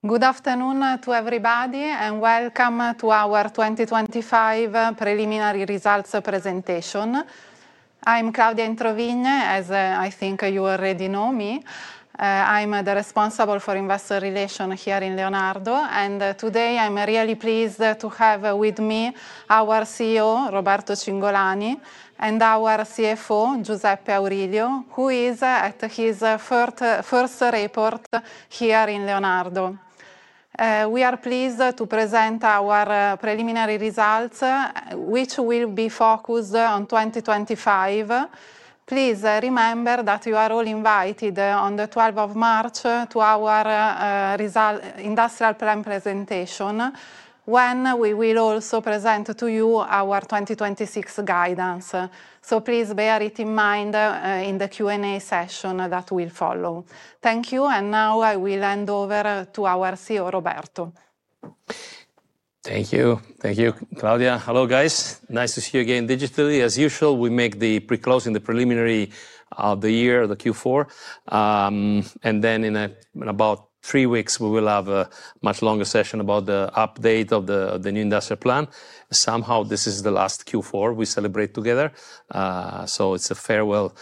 Good afternoon to everybody, welcome to our 2025 preliminary results presentation. I'm Claudia Introvigne, as I think you already know me. I'm the responsible for Investor Relations here in Leonardo, and today I'm really pleased to have with me our CEO, Roberto Cingolani, and our CFO, Giuseppe Aurilio, who is at his first report here in Leonardo. We are pleased to present our preliminary results, which will be focused on 2025. Please remember that you are all invited on the 12th of March to our industrial plan presentation, when we will also present to you our 2026 guidance. Please bear it in mind in the Q&A session that will follow. Thank you, and now I will hand over to our CEO, Roberto. Thank you. Thank you, Claudia. Hello, guys. Nice to see you again digitally. As usual, we make the pre-closing, the preliminary of the year, the Q4. Then in about three weeks, we will have a much longer session about the update of the new industrial plan. Somehow, this is the last Q4 we celebrate together. It's a farewell,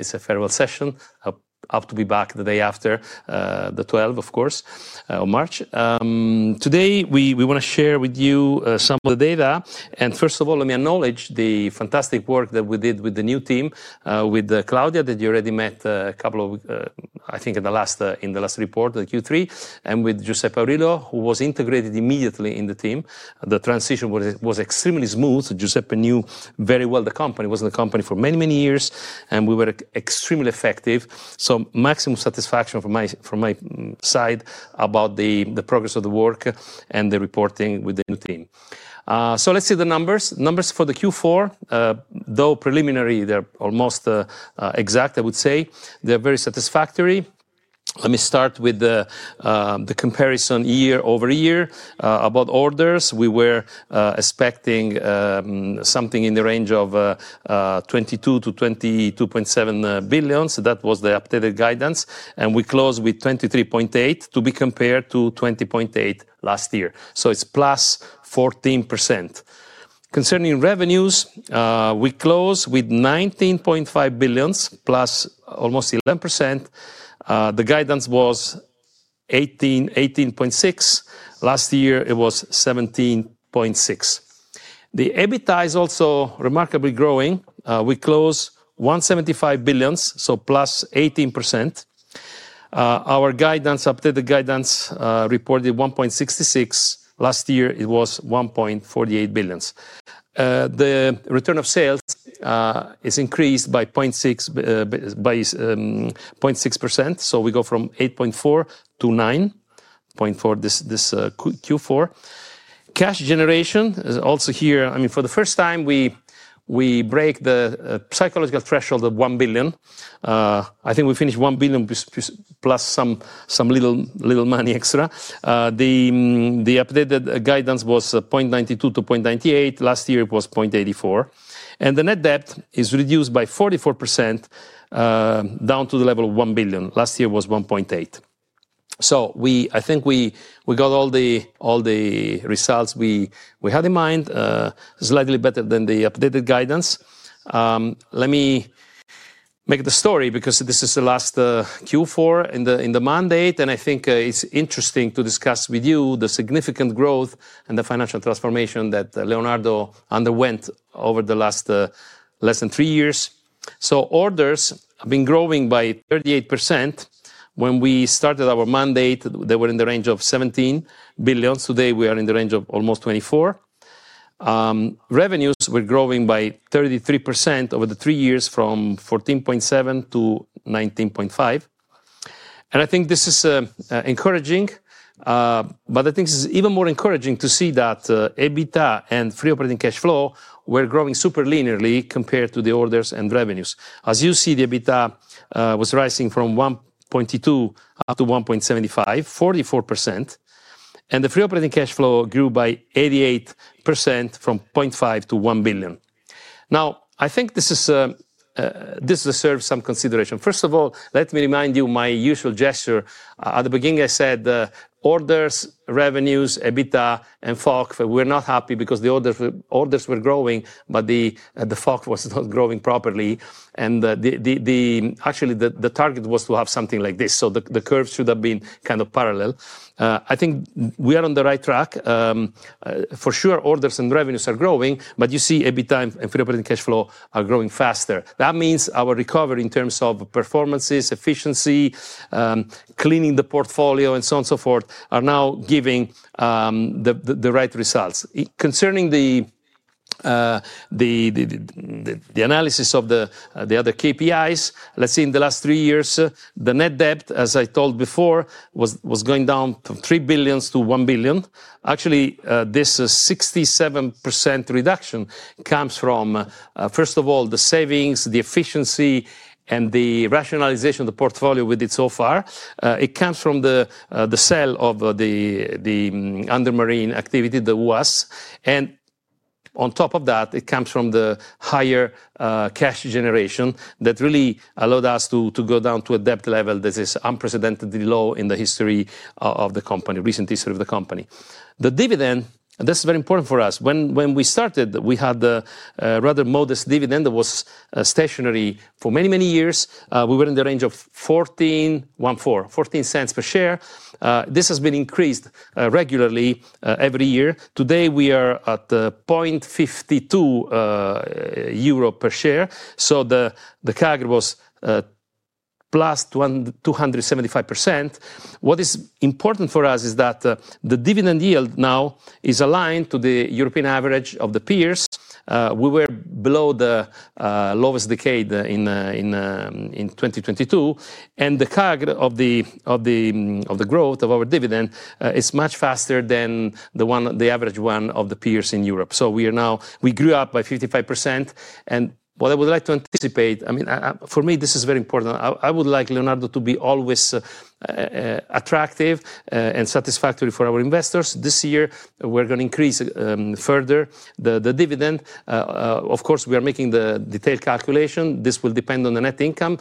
it's a farewell session. I'll have to be back the day after, the 12th, of course, March. Today, we want to share with you some of the data. First of all, let me acknowledge the fantastic work that we did with the new team, with Claudia, that you already met a couple of, I think in the last, in the last report, the Q3, and with Giuseppe Aurilio, who was integrated immediately in the team. The transition was extremely smooth. Giuseppe knew very well the company, was in the company for many, many years, and we were extremely effective. Maximum satisfaction from my side about the progress of the work and the reporting with the new team. Let's see the numbers. Numbers for the Q4, though preliminary, they're almost exact, I would say. They're very satisfactory. Let me start with the comparison year-over-year. About orders, we were expecting something in the range of 22 billion-22.7 billion. That was the updated guidance, and we closed with 23.8 billion, to be compared to 20.8 billion last year. It's +14%. Concerning revenues, we closed with 19.5 billion, +11%. The guidance was 18.6 billion. Last year, it was 17.6 billion. The EBITDA is also remarkably growing. We closed 1.75 billion, +18%. Our guidance, updated guidance, reported 1.66 billion. Last year, it was 1.48 billion. The return of sales is increased by 0.6%. We go from 8.4% to 9.4% this Q4. Cash generation is also, I mean, for the first time, we break the psychological threshold of 1 billion. I think we finished 1 billion plus some little money extra. The updated guidance was 0.92 billion to 0.98 billion. Last year, it was 0.84 billion. The net debt is reduced by 44% down to the level of 1 billion. Last year was 1.8 billion. I think we got all the results we had in mind, slightly better than the updated guidance. Let me make the story, because this is the last Q4 in the mandate, I think it's interesting to discuss with you the significant growth and the financial transformation that Leonardo underwent over the last less than three years. Orders have been growing by 38%. When we started our mandate, they were in the range of 17 billion. Today, we are in the range of almost 24 billion. Revenues were growing by 33% over the three years, from 14.7 billion to 19.5 billion, and I think this is encouraging. I think this is even more encouraging to see that EBITDA and free operating cash flow were growing super linearly compared to the orders and revenues. As you see, the EBITDA was rising from 1.2 billion up to 1.75 billion, 44%, and the free operating cash flow grew by 88%, from 0.5 billion to 1 billion. I think this is, this deserves some consideration. First of all, let me remind you my usual gesture. At the beginning, I said, orders, revenues, EBITDA and FOC, we're not happy because the orders were growing, but the FOC was not growing properly, and actually, the target was to have something like this, so the curve should have been kind of parallel. I think we are on the right track. For sure, orders and revenues are growing, but you see EBITDA and free operating cash flow are growing faster. That means our recovery in terms of performances, efficiency, cleaning the portfolio, and so on and so forth, are now giving the right results. Concerning the analysis of the other KPIs, let's say in the last three years, the net debt, as I told before, was going down from 3 billion to 1 billion. Actually, this 67% reduction comes from, first of all, the savings, the efficiency, and the rationalization of the portfolio we did so far. It comes from the sale of the underwater marine activity, the UAS. On top of that, it comes from the higher cash generation that really allowed us to go down to a debt level that is unprecedentedly low in the history of the company, recent history of the company. The dividend, and this is very important for us, when we started, we had a rather modest dividend that was stationary for many, many years. We were in the range of 0.14 per share. This has been increased regularly every year. Today, we are at 0.52 euro per share. The CAGR was +275%. What is important for us is that the dividend yield now is aligned to the European average of the peers. We were below the lowest decade in 2022. The CAGR of the growth of our dividend is much faster than the average one of the peers in Europe. We grew up by 55%. What I would like to anticipate, I mean, for me, this is very important. I would like Leonardo to be always attractive and satisfactory for our investors. This year, we're going to increase further the dividend. Of course, we are making the detailed calculation. This will depend on the net income.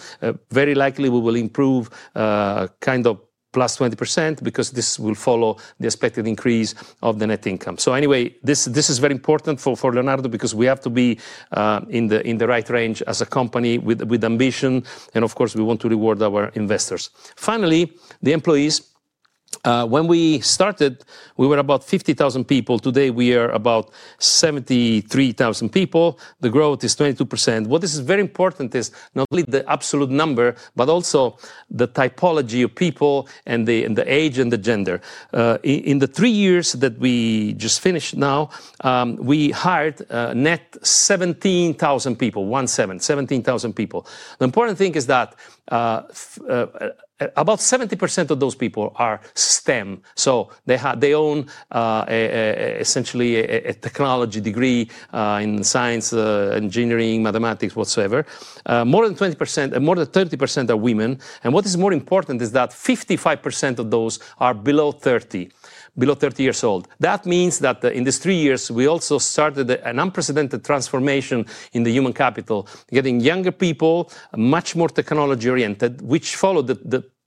Very likely we will improve, kind of +20%, because this will follow the expected increase of the net income. Anyway, this is very important for Leonardo, because we have to be in the right range as a company with ambition, and of course, we want to reward our investors. Finally, the employees. When we started, we were about 50,000 people. Today, we are about 73,000 people. The growth is 22%. What is very important is not only the absolute number, but also the typology of people and the age and the gender. In the three years that we just finished now, we hired, net 17,000 people. The important thing is that about 70% of those people are STEM, so they own essentially a technology degree in science, engineering, mathematics, whatsoever. More than 30% are women, and what is more important is that 55% of those are below 30 years old. That means that in these three years, we also started an unprecedented transformation in the human capital, getting younger people, much more technology-oriented, which followed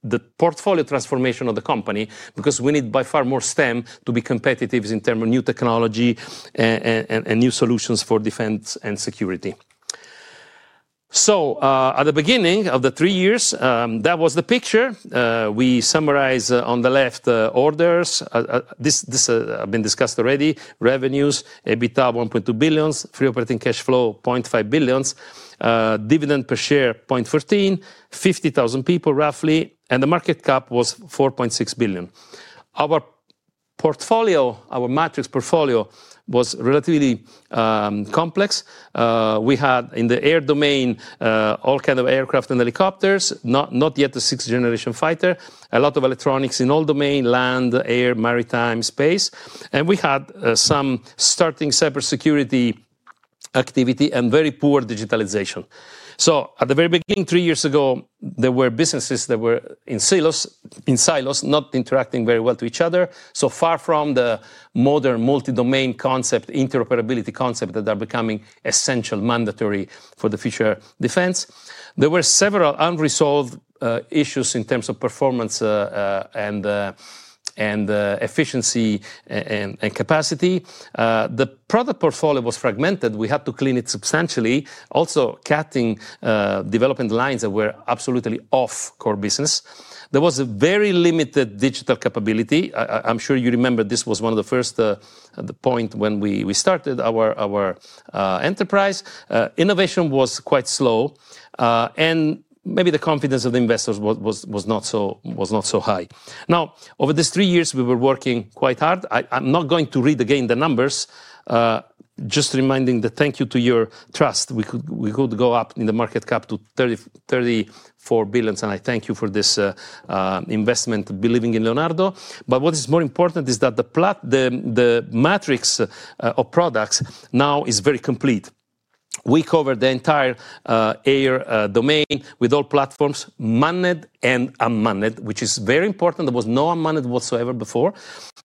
the portfolio transformation of the company, because we need by far more STEM to be competitive in terms of new technology and new solutions for defense and security. At the beginning of the three years, that was the picture. We summarize on the left, orders. This have been discussed already. Revenues, EBITDA, 1.2 billion, free operating cash flow, 0.5 billion, dividend per share, 0.15, 50,000 people, roughly, and the market cap was 4.6 billion. Our portfolio, our matrix portfolio, was relatively complex. We had, in the air domain, all kind of aircraft and helicopters, not yet the 6th-generation fighter. A lot of electronics in all domain: land, air, maritime, space, and we had some starting cybersecurity activity and very poor digitalization. At the very beginning, three years ago, there were businesses that were in silos, not interacting very well to each other, so far from the modern multi-domain concept, interoperability concept, that are becoming essential, mandatory for the future defense. There were several unresolved issues in terms of performance and efficiency, and capacity. The product portfolio was fragmented. We had to clean it substantially, also cutting development lines that were absolutely off core business. There was a very limited digital capability. I'm sure you remember this was one of the first, the point when we started our enterprise. Innovation was quite slow, and maybe the confidence of the investors was not so high. Over these three years, we were working quite hard. I'm not going to read again the numbers, just reminding the thank you to your trust. We could go up in the market cap to 34 billion, and I thank you for this investment, believing in Leonardo. What is more important is that the matrix of products now is very complete. We cover the entire air domain with all platforms, manned and unmanned, which is very important. There was no unmanned whatsoever before.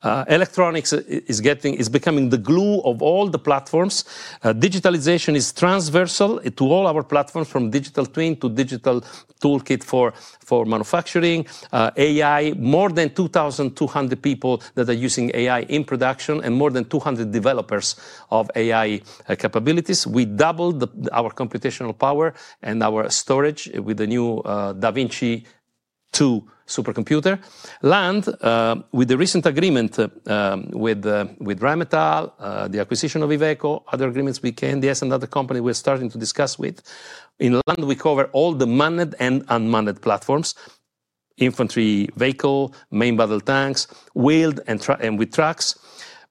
Electronics is becoming the glue of all the platforms. Digitalization is transversal to all our platforms, from digital twin to digital toolkit for manufacturing. AI, more than 2,200 people that are using AI in production and more than 200 developers of AI capabilities. We doubled our computational power and our storage with the new Davinci-2 supercomputer. Land, with the recent agreement with Rheinmetall, the acquisition of Iveco, there's another company we're starting to discuss with. Inland, we cover all the manned and unmanned platforms, infantry vehicle, main battle tanks, wheeled and with trucks.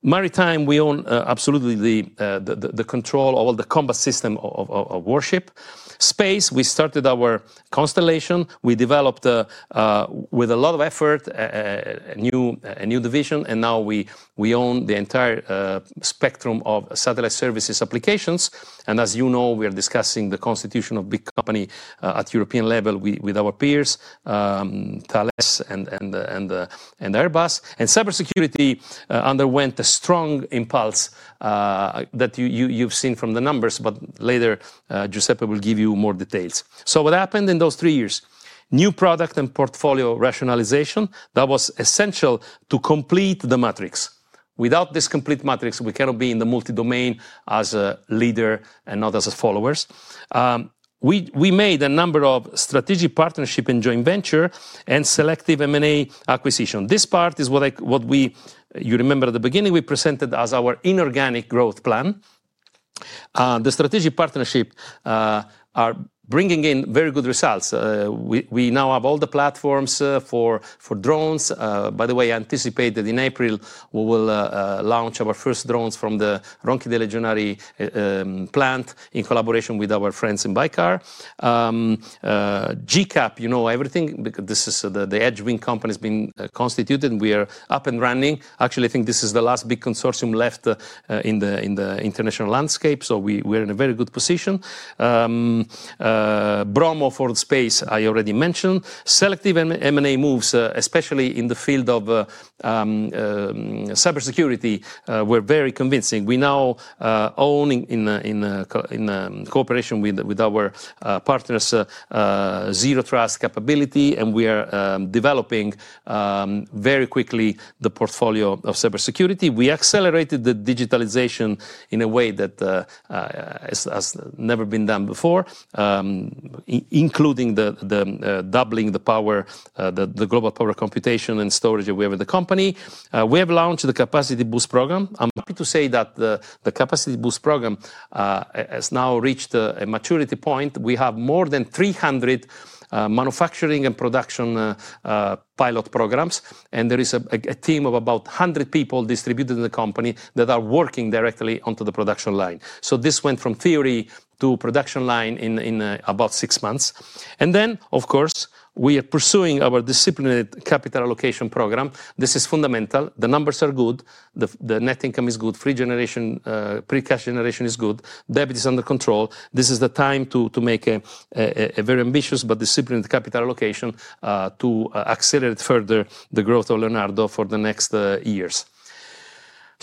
Maritime, we own absolutely the control over the combat system of warship. Space, we started our constellation. We developed with a lot of effort, a new division now we own the entire spectrum of satellite services applications. As you know, we are discussing the constitution of big company at European level with our peers, Thales and Airbus. Cybersecurity underwent a strong impulse that you've seen from the numbers. Later, Giuseppe will give you more details. What happened in those three years? New product and portfolio rationalization, that was essential to complete the matrix. Without this complete matrix, we cannot be in the multi-domain as a leader and not as followers. We made a number of strategic partnership and joint venture and selective M&A acquisition. This part is what we, you remember at the beginning, we presented as our inorganic growth plan. The strategic partnership are bringing in very good results. We now have all the platforms for drones. By the way, I anticipate that in April, we will launch our first drones from the Ronchi dei Legionari plant in collaboration with our friends in Baykar. GCAP, you know everything, because this is the Edgewing company has been constituted, and we are up and running. Actually, I think this is the last big consortium left in the international landscape, so we're in a very good position. Bromo for the space, I already mentioned. Selective M&A moves, especially in the field of cybersecurity, were very convincing. We now own in cooperation with our partners zero trust capability, and we are developing very quickly the portfolio of cybersecurity. We accelerated the digitalization in a way that has never been done before, including doubling the power, the global power computation and storage that we have in the company. We have launched the Capacity Boost program. I'm happy to say that the Capacity Boost program has now reached a maturity point. We have more than 300 manufacturing and production pilot programs, and there is a team of about 100 people distributed in the company that are working directly onto the production line. This went from theory to production line in about six months. Of course, we are pursuing our disciplined capital allocation program. This is fundamental. The numbers are good. The net income is good. Free generation, pre-cash generation is good. Debt is under control. This is the time to make a very ambitious but disciplined capital allocation to accelerate further the growth of Leonardo for the next years.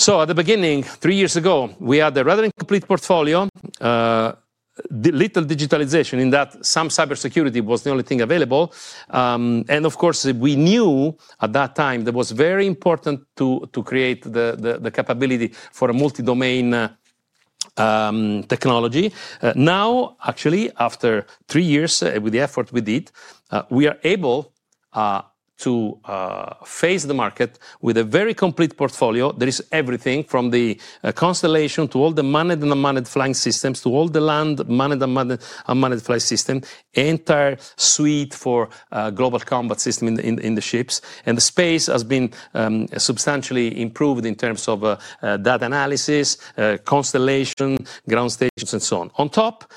At the beginning, three years ago, we had a rather incomplete portfolio, little digitalization in that some cybersecurity was the only thing available. Of course, we knew at that time that it was very important to create the capability for a multi-domain technology. Now, actually, after three years, with the effort we did, we are able to face the market with a very complete portfolio. There is everything from the constellation to all the manned and unmanned flying systems, to all the land, manned and unmanned flying system, entire suite for global combat system in the ships. The space has been substantially improved in terms of data analysis, constellation, ground stations, and so on. On top,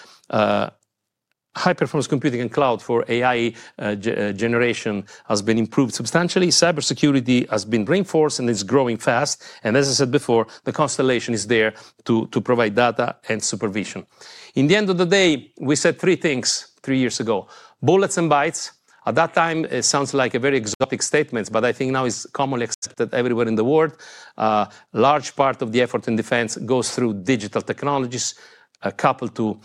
high-performance computing and cloud for AI generation has been improved substantially. Cybersecurity has been reinforced and is growing fast. As I said before, the constellation is there to provide data and supervision. In the end of the day, we said three things three years ago, bullets and bytes. At that time, it sounds like a very exotic statement. I think now it's commonly accepted everywhere in the world. Large part of the effort in defense goes through digital technologies, coupled to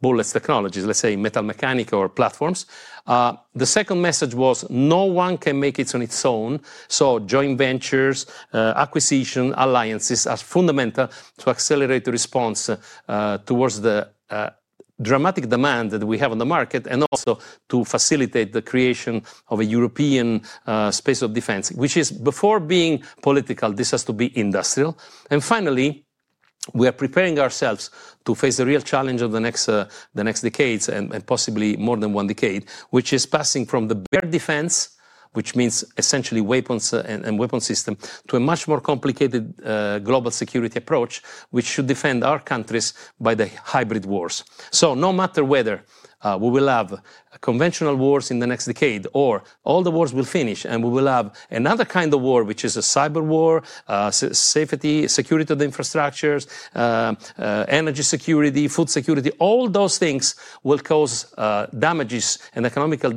bullets technologies, let's say, metal mechanic or platforms. The second message was, no one can make it on its own, so joint ventures, acquisition, alliances are fundamental to accelerate the response towards the dramatic demand that we have on the market, and also to facilitate the creation of a European space of defense, which is, before being political, this has to be industrial. Finally, we are preparing ourselves to face the real challenge of the next, the next decades, and possibly more than one decade, which is passing from the bare defense, which means essentially weapons and weapon system, to a much more complicated, global security approach, which should defend our countries by the hybrid wars. No matter whether we will have conventional wars in the next decade, or all the wars will finish, and we will have another kind of war, which is a cyber war, safety, security of the infrastructures, energy security, food security, all those things will cause damages and economical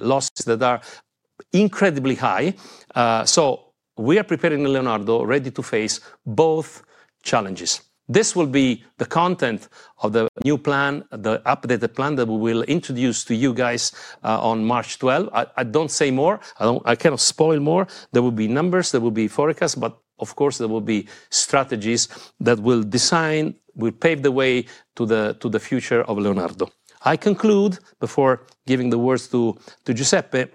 losses that are incredibly high. We are preparing Leonardo, ready to face both challenges. This will be the content of the new plan, the updated plan, that we will introduce to you guys on March 12. I don't say more. I cannot spoil more. There will be numbers, there will be forecasts, but of course, there will be strategies that will design, will pave the way to the future of Leonardo. I conclude before giving the words to Giuseppe,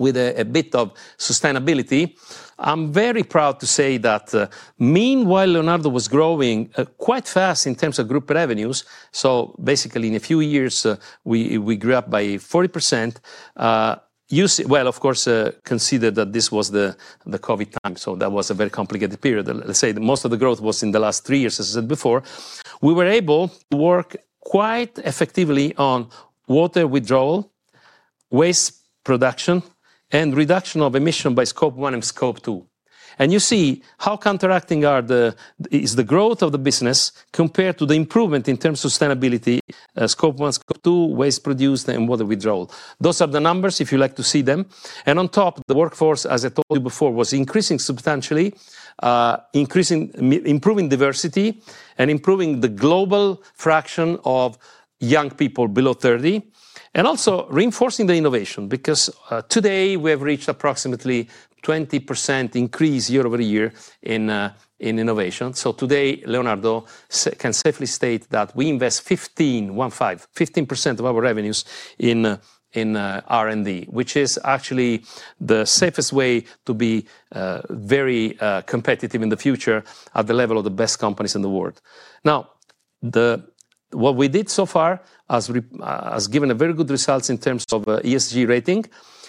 with a bit of sustainability. I'm very proud to say that, meanwhile, Leonardo was growing quite fast in terms of group revenues, so basically, in a few years, we grew up by 40%. Well, of course, consider that this was the COVID time, so that was a very complicated period. Let's say that most of the growth was in the last three years, as I said before. We were able to work quite effectively on water withdrawal, waste production, and reduction of emission by Scope 1 and Scope 2. You see, how counteracting are the, is the growth of the business compared to the improvement in terms of sustainability, Scope 1, Scope 2, waste produced, and water withdrawal. Those are the numbers, if you like to see them. On top, the workforce, as I told you before, was increasing substantially, increasing, improving diversity, and improving the global fraction of young people below 30. Also reinforcing the innovation, because today we have reached approximately 20% increase year-over-year in innovation. Today, Leonardo can safely state that we invest 15% of our revenues in R&D, which is actually the safest way to be very competitive in the future at the level of the best companies in the world. What we did so far has given a very good results in terms of ESG rating.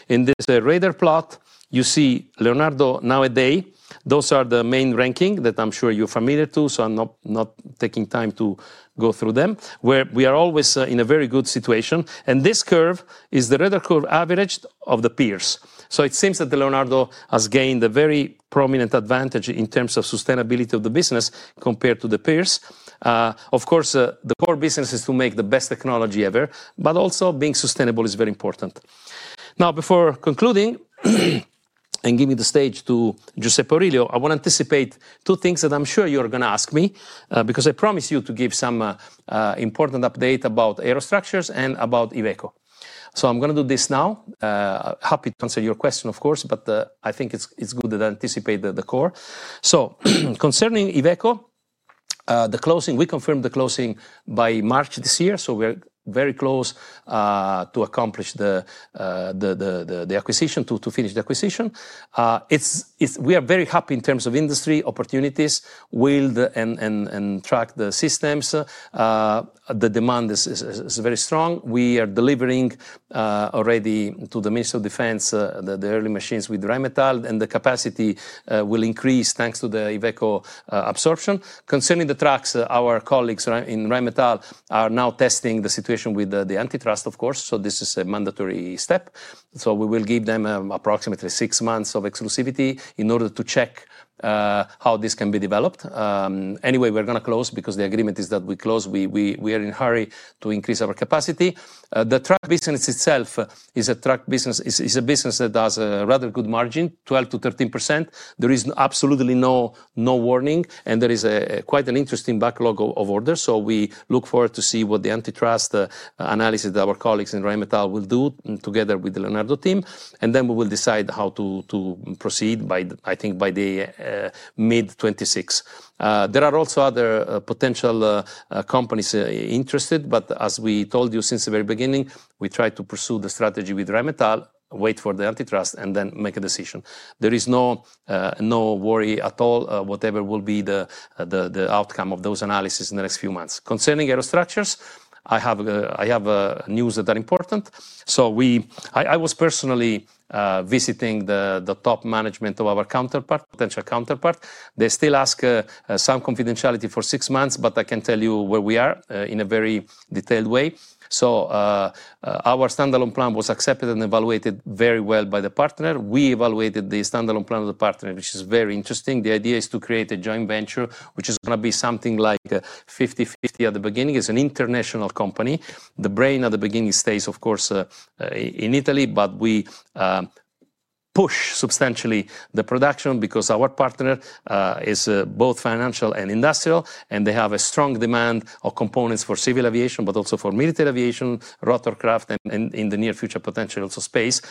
In this radar plot, you see Leonardo nowadays, those are the main ranking that I'm sure you're familiar to, so I'm not taking time to go through them, where we are always in a very good situation. This curve is the radar curve average of the peers. It seems that the Leonardo has gained a very prominent advantage in terms of sustainability of the business compared to the peers. Of course, the core business is to make the best technology ever, but also being sustainable is very important. Before concluding and giving the stage to Giuseppe Aurilio, I want to anticipate two things that I'm sure you're gonna ask me because I promised you to give some important update about Aerostructures and about Iveco. I'm gonna do this now. Happy to answer your question, of course, but I think it's good that I anticipate the core. Concerning Iveco, the closing, we confirmed the closing by March this year, we're very close to finish the acquisition. We are very happy in terms of industry opportunities, wield and track the systems. The demand is very strong. We are delivering already to the Ministry of Defense the early machines with Rheinmetall, and the capacity will increase thanks to the Iveco absorption. Concerning the trucks, our colleagues in Rheinmetall are now testing the situation with the antitrust, of course, so this is a mandatory step. We will give them, approximately six months of exclusivity in order to check, how this can be developed. Anyway, we're gonna close because the agreement is that we close. We are in a hurry to increase our capacity. The truck business itself is a truck business, is a business that has a rather good margin, 12%-13%. There is absolutely no warning, and there is a quite an interesting backlog of orders, so we look forward to see what the antitrust analysis that our colleagues in Rheinmetall will do together with the Leonardo team, and then we will decide how to proceed by, I think, by the mid-2026. There are also other potential companies interested, but as we told you since the very beginning, we try to pursue the strategy with Rheinmetall, wait for the antitrust, and then make a decision. There is no worry at all, whatever will be the outcome of those analysis in the next few months. Concerning Aerostructures, I have news that are important. We, I was personally visiting the top management of our counterpart, potential counterpart. They still ask some confidentiality for six months, but I can tell you where we are in a very detailed way. Our standalone plan was accepted and evaluated very well by the partner. We evaluated the standalone plan of the partner, which is very interesting. The idea is to create a joint venture, which is gonna be something like a 50/50 at the beginning. It's an international company. The brain at the beginning stays, of course, in Italy, but we push substantially the production because our partner is both financial and industrial, and they have a strong demand of components for civil aviation, but also for military aviation, rotorcraft, and in the near future, potentially also space.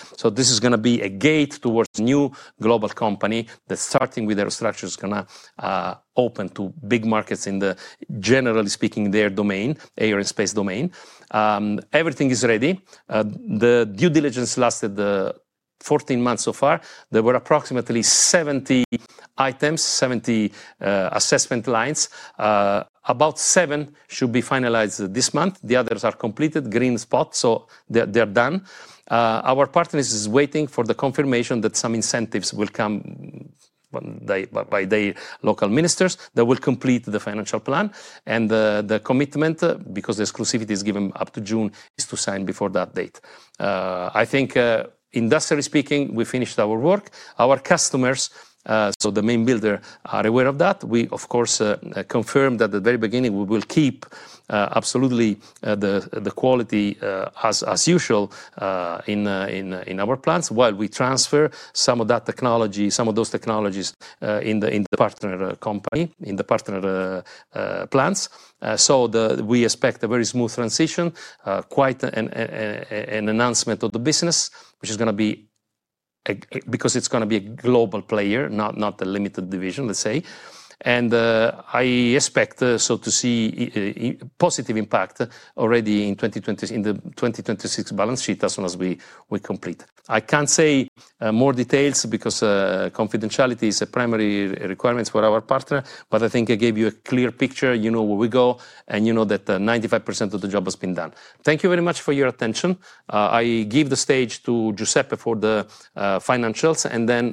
This is gonna be a gate towards new global company that, starting with Aerostructures, gonna open to big markets in the, generally speaking, their domain, aerospace domain. Everything is ready. The due diligence lasted 14 months so far. There were approximately 70 items, 70 assessment lines. About seven should be finalized this month. The others are completed, green spot, so they're done. Our partners is waiting for the confirmation that some incentives will come when by the local ministers. That will complete the financial plan, and the commitment, because the exclusivity is given up to June, is to sign before that date. I think, industrially speaking, we finished our work. Our customers, so the main builder, are aware of that. We, of course, confirm that the very beginning we will keep, absolutely, the quality, as usual, in our plants, while we transfer some of that technology, some of those technologies, in the partner company, in the partner plants. We expect a very smooth transition, quite an announcement of the business, which is gonna be because it's gonna be a global player, not a limited division, let's say. I expect to see a positive impact already in the 2026 balance sheet, as soon as we complete. I can't say more details because confidentiality is a primary requirement for our partner, but I think I gave you a clear picture. You know where we go, and you know that 95% of the job has been done. Thank you very much for your attention. I give the stage to Giuseppe for the financials,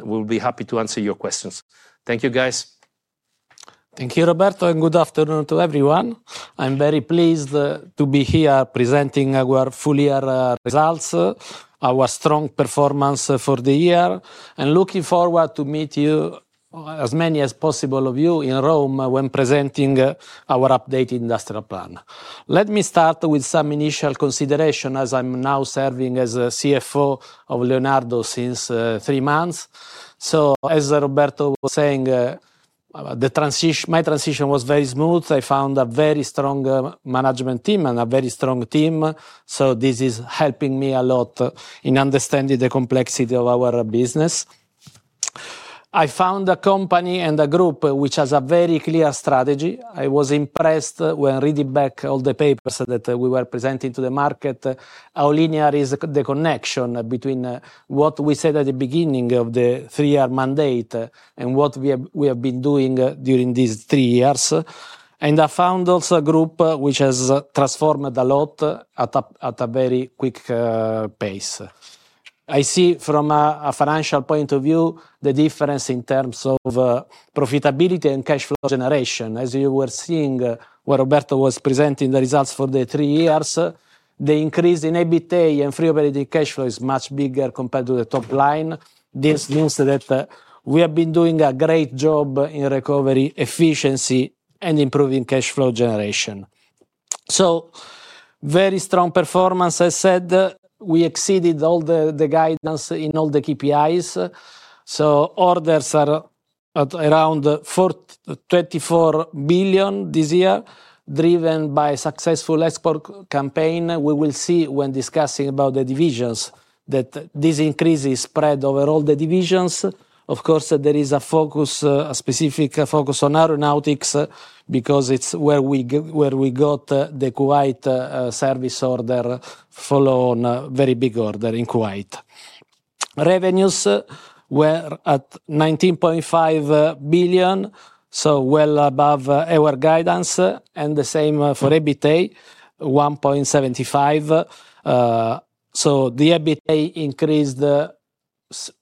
we'll be happy to answer your questions. Thank you, guys. Thank you, Roberto, and good afternoon to everyone. I'm very pleased to be here presenting our full year results, our strong performance for the year, and looking forward to meet you as many as possible of you, in Rome when presenting our updated industrial plan. Let me start with some initial consideration, as I'm now serving as CFO of Leonardo since three months. As Roberto was saying, my transition was very smooth. I found a very strong management team and a very strong team, so this is helping me a lot in understanding the complexity of our business. I found a company and a group which has a very clear strategy. I was impressed when reading back all the papers that we were presenting to the market, how linear is the connection between what we said at the beginning of the three-year mandate and what we have been doing during these three years. I found also a group which has transformed a lot at a very quick pace. I see from a financial point of view, the difference in terms of profitability and cash flow generation. As you were seeing, where Roberto was presenting the results for the three years, the increase in EBITDA and free operating cash flow is much bigger compared to the top line. This means that we have been doing a great job in recovery, efficiency, and improving cash flow generation. Very strong performance. I said, we exceeded all the guidance in all the KPIs. Orders are at around 24 billion this year, driven by successful export campaign. We will see when discussing about the divisions, that this increase is spread over all the divisions. Of course, there is a focus, a specific focus on Aeronautics, because it's where we got the Kuwait service order, follow on a very big order in Kuwait. Revenues were at 19.5 billion, so well above our guidance. The same for EBITDA, 1.75 billion. The EBITDA increased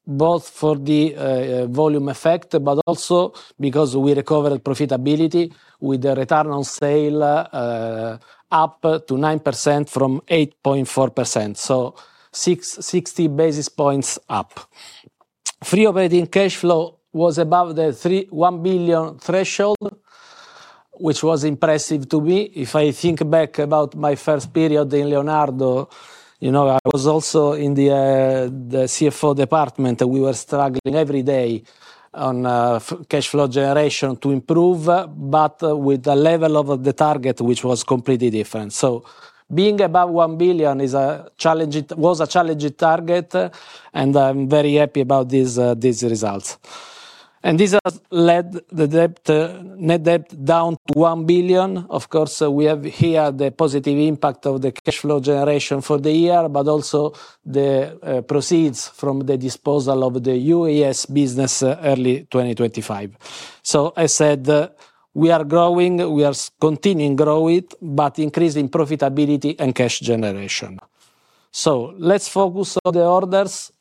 both for the volume effect, but also because we recovered profitability with the return on sale up to 9% from 8.4%, so 60 basis points up. Free operating cash flow was above the 1 billion threshold, which was impressive to me. If I think back about my first period in Leonardo, you know, I was also in the CFO department, and we were struggling every day on cash flow generation to improve, but with the level of the target, which was completely different. Being above EUR 1 billion was a challenging target, and I'm very happy about these results. These are led the debt, net debt down to 1 billion. Of course, we have here the positive impact of the cash flow generation for the year, but also the proceeds from the disposal of the UAS business early 2025. I said, we are continuing growing, but increasing profitability and cash generation. Let's focus on the orders.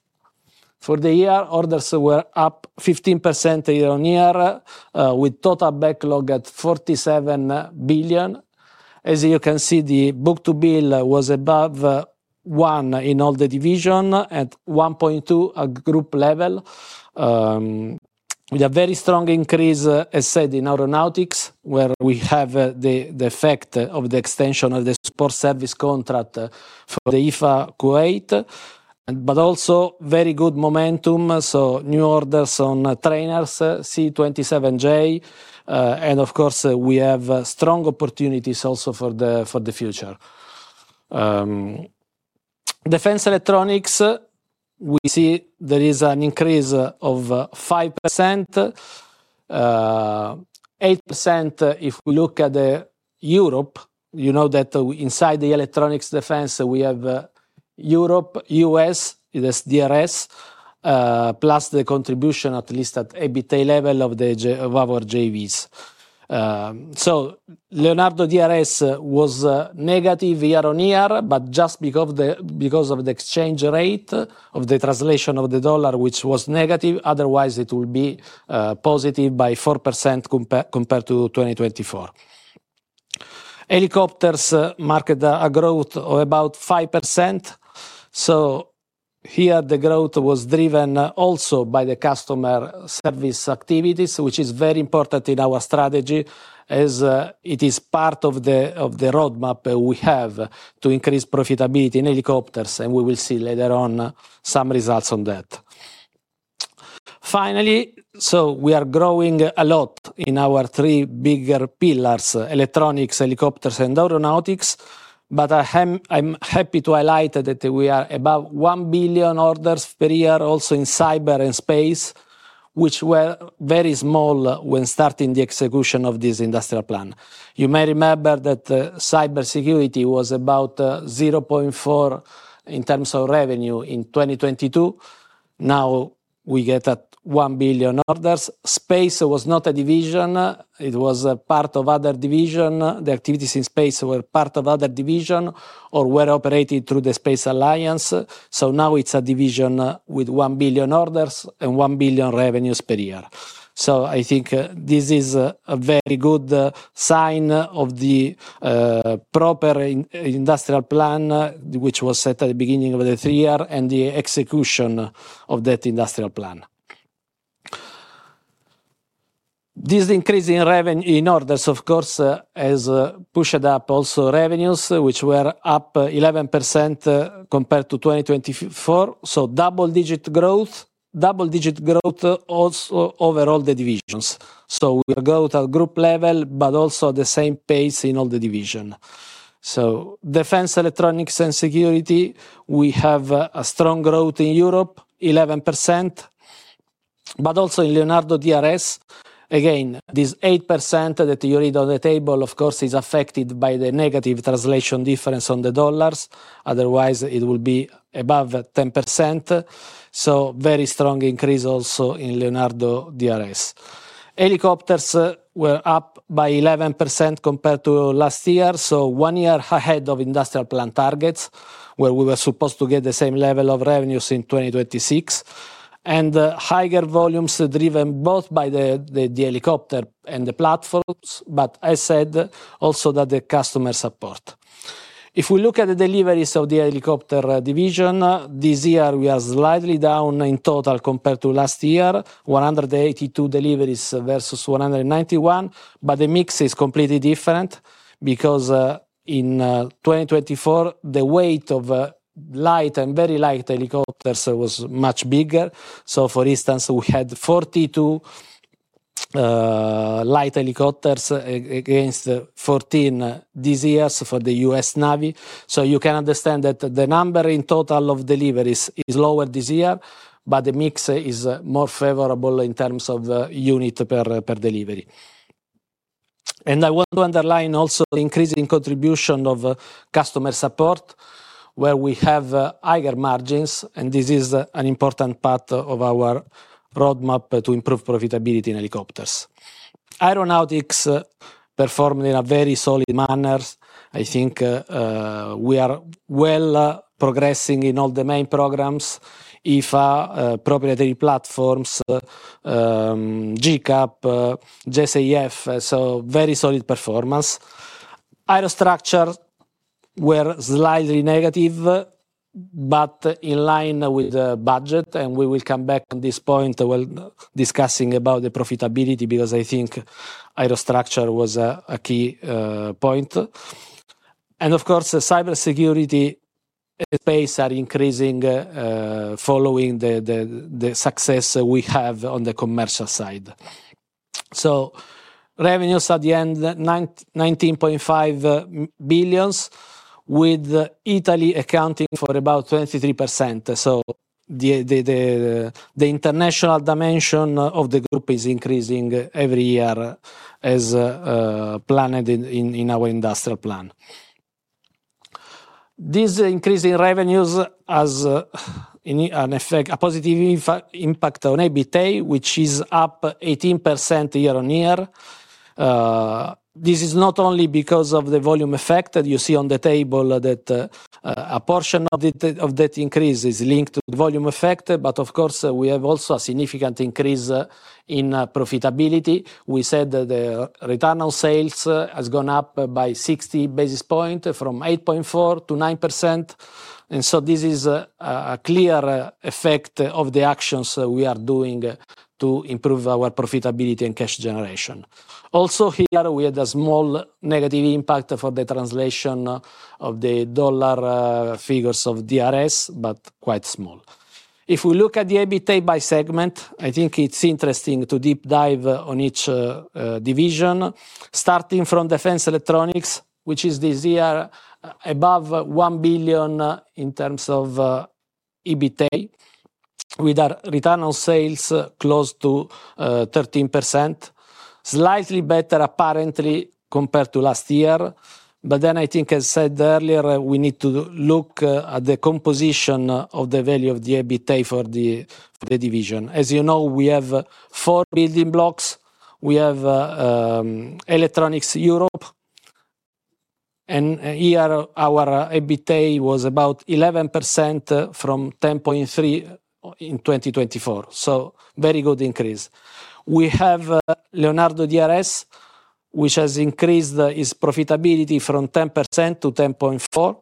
For the year, orders were up 15% year-on-year, with total backlog at 47 billion. As you can see, the book-to-bill was above 1 in all the division, at 1.2 at group level. With a very strong increase, as said in Aeronautics, where we have the effect of the extension of the support service contract for the EFA Kuwait, but also very good momentum, so new orders on trainers, C-27J, and of course, we have strong opportunities also for the future. Defense Electronics, we see there is an increase of 5%, 8%, if we look at Europe, you know that, inside the electronics defense, we have Europe, U.S., it is DRS, plus the contribution, at least at EBITDA level of our JVs. Leonardo DRS was negative year-on-year, 1 billion orders. Space was not a division, it was a part of other division. The activities in space were part of other division or were operated through the Space Alliance. Now it's a division, with 1 billion orders and 1 billion revenues per year. I think this is a very good sign of the proper industrial plan, which was set at the beginning of the three year, and the execution of that industrial plan. This increase in orders, of course, has pushed up also revenues, which were up 11% compared to 2024. Double-digit growth also over all the divisions. We are growth at group level, but also the same pace in all the division. Defense, Electronics and Security, we have a strong growth in Europe, 11%. Also in Leonardo DRS, again, this 8% that you read on the table, of course, is affected by the negative translation difference on the dollars, otherwise it will be above 10%. Very strong increase also in Leonardo DRS. Helicopters were up by 11% compared to last year, one year ahead of industrial plan targets, where we were supposed to get the same level of revenues in 2026. Higher volumes driven both by the helicopter and the platforms, but I said also that the customer support. If we look at the deliveries of the helicopter division, this year we are slightly down in total compared to last year, 182 deliveries versus 191. The mix is completely different because in 2024, the weight of light and very light helicopters was much bigger. For instance, we had 42 light helicopters against 14 this year for the U.S. Navy. You can understand that the number in total of deliveries is lower this year, but the mix is more favorable in terms of unit per delivery. I want to underline also the increase in contribution of customer support, where we have higher margins, and this is an important part of our roadmap to improve profitability in helicopters. Aeronautics performed in a very solid manner. I think we are well progressing in all the main programs, if proprietary platforms, GCAP, JCAF, very solid performance. Aerostructure were slightly negative, in line with the budget, we will come back on this point while discussing about the profitability, because I think Aerostructure was a key point. Of course, the cybersecurity pace are increasing, following the success we have on the commercial side. Revenues at the end, 19.5 billion, with Italy accounting for about 23%. The international dimension of the group is increasing every year as planned in our industrial plan. This increase in revenues has a positive impact on EBITDA, which is up 18% year-on-year. This is not only because of the volume effect that you see on the table, that a portion of that increase is linked to volume effect, but of course, we have also a significant increase in profitability. We said that the return on sales has gone up by 60 basis points, from 8.4% to 9%. This is a clear effect of the actions we are doing to improve our profitability and cash generation. Also here, we had a small negative impact for the translation of the dollar figures of DRS, but quite small. If we look at the EBITDA by segment, I think it's interesting to deep dive on each division, starting from Defense Electronics, which is this year, above 1 billion in terms of EBITDA, with our return on sales close to 13%. Slightly better, apparently, compared to last year. I think I said earlier, we need to look at the composition of the value of the EBITDA for the division. As you know, we have four building blocks. We have Electronics Europe, and here, our EBITDA was about 11% from 10.3% in 2024. Very good increase. We have Leonardo DRS, which has increased its profitability from 10% to 10.4%.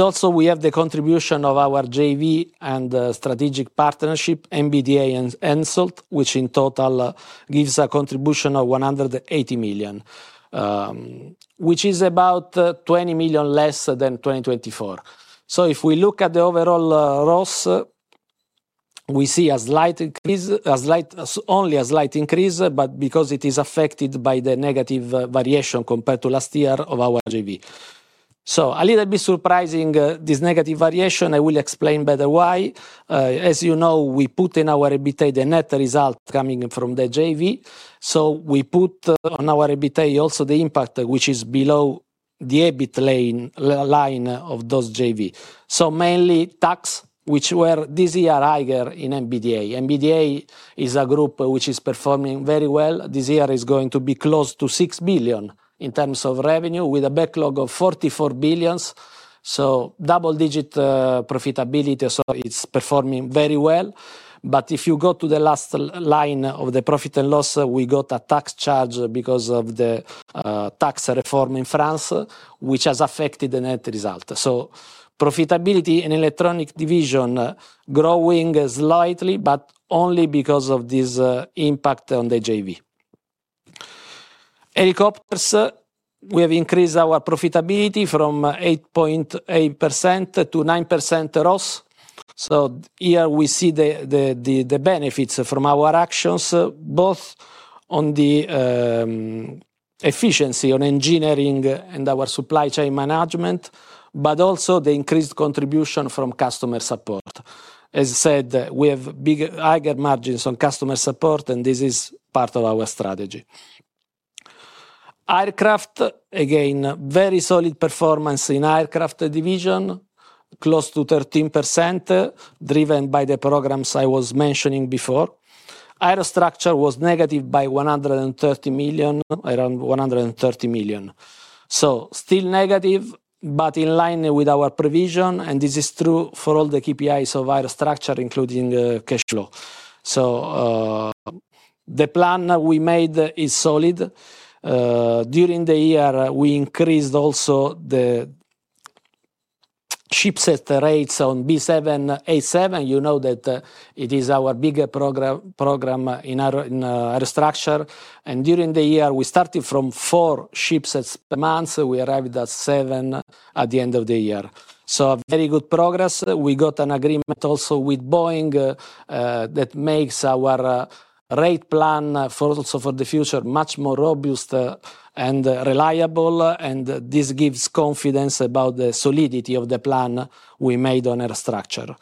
Also, we have the contribution of our JV and strategic partnership, MBDA and Hensoldt, which in total gives a contribution of 180 million, which is about 20 million less than 2024. If we look at the overall ROS, we see a slight, only a slight increase, but because it is affected by the negative variation compared to last year of our JV. A little bit surprising, this negative variation, I will explain better why. As you know, we put in our EBITDA the net result coming from the JV. We put on our EBITDA also the impact, which is below the EBIT lane, line of those JV. Mainly tax, which were this year higher in MBDA. MBDA is a group which is performing very well. This year is going to be close to 6 billion in terms of revenue, with a backlog of 44 billions. Double-digit profitability, so it's performing very well. If you go to the last line of the profit and loss, we got a tax charge because of the tax reform in France, which has affected the net result. Profitability in electronic division, growing slightly, but only because of this impact on the JV. Helicopters, we have increased our profitability from 8.8% to 9% ROS. Here we see the benefits from our actions on the efficiency on engineering and our supply chain management, but also the increased contribution from customer support. As I said, we have bigger, higher margins on customer support, and this is part of our strategy. Aircraft, again, very solid performance in Aircraft Division, close to 13%, driven by the programs I was mentioning before. Aerostructure was negative by 130 million, around 130 million. Still negative, but in line with our provision, and this is true for all the KPIs of Aerostructure, including cash flow. The plan we made is solid. During the year, we increased also the shipsets at the rates on B787. You know that it is our bigger program in Aerostructure. During the year, we started from four shipsets as per month, we arrived at seven at the end of the year. Very good progress. We got an agreement also with Boeing that makes our rate plan for also for the future, much more robust and reliable. This gives confidence about the solidity of the plan we made on Aerostructure.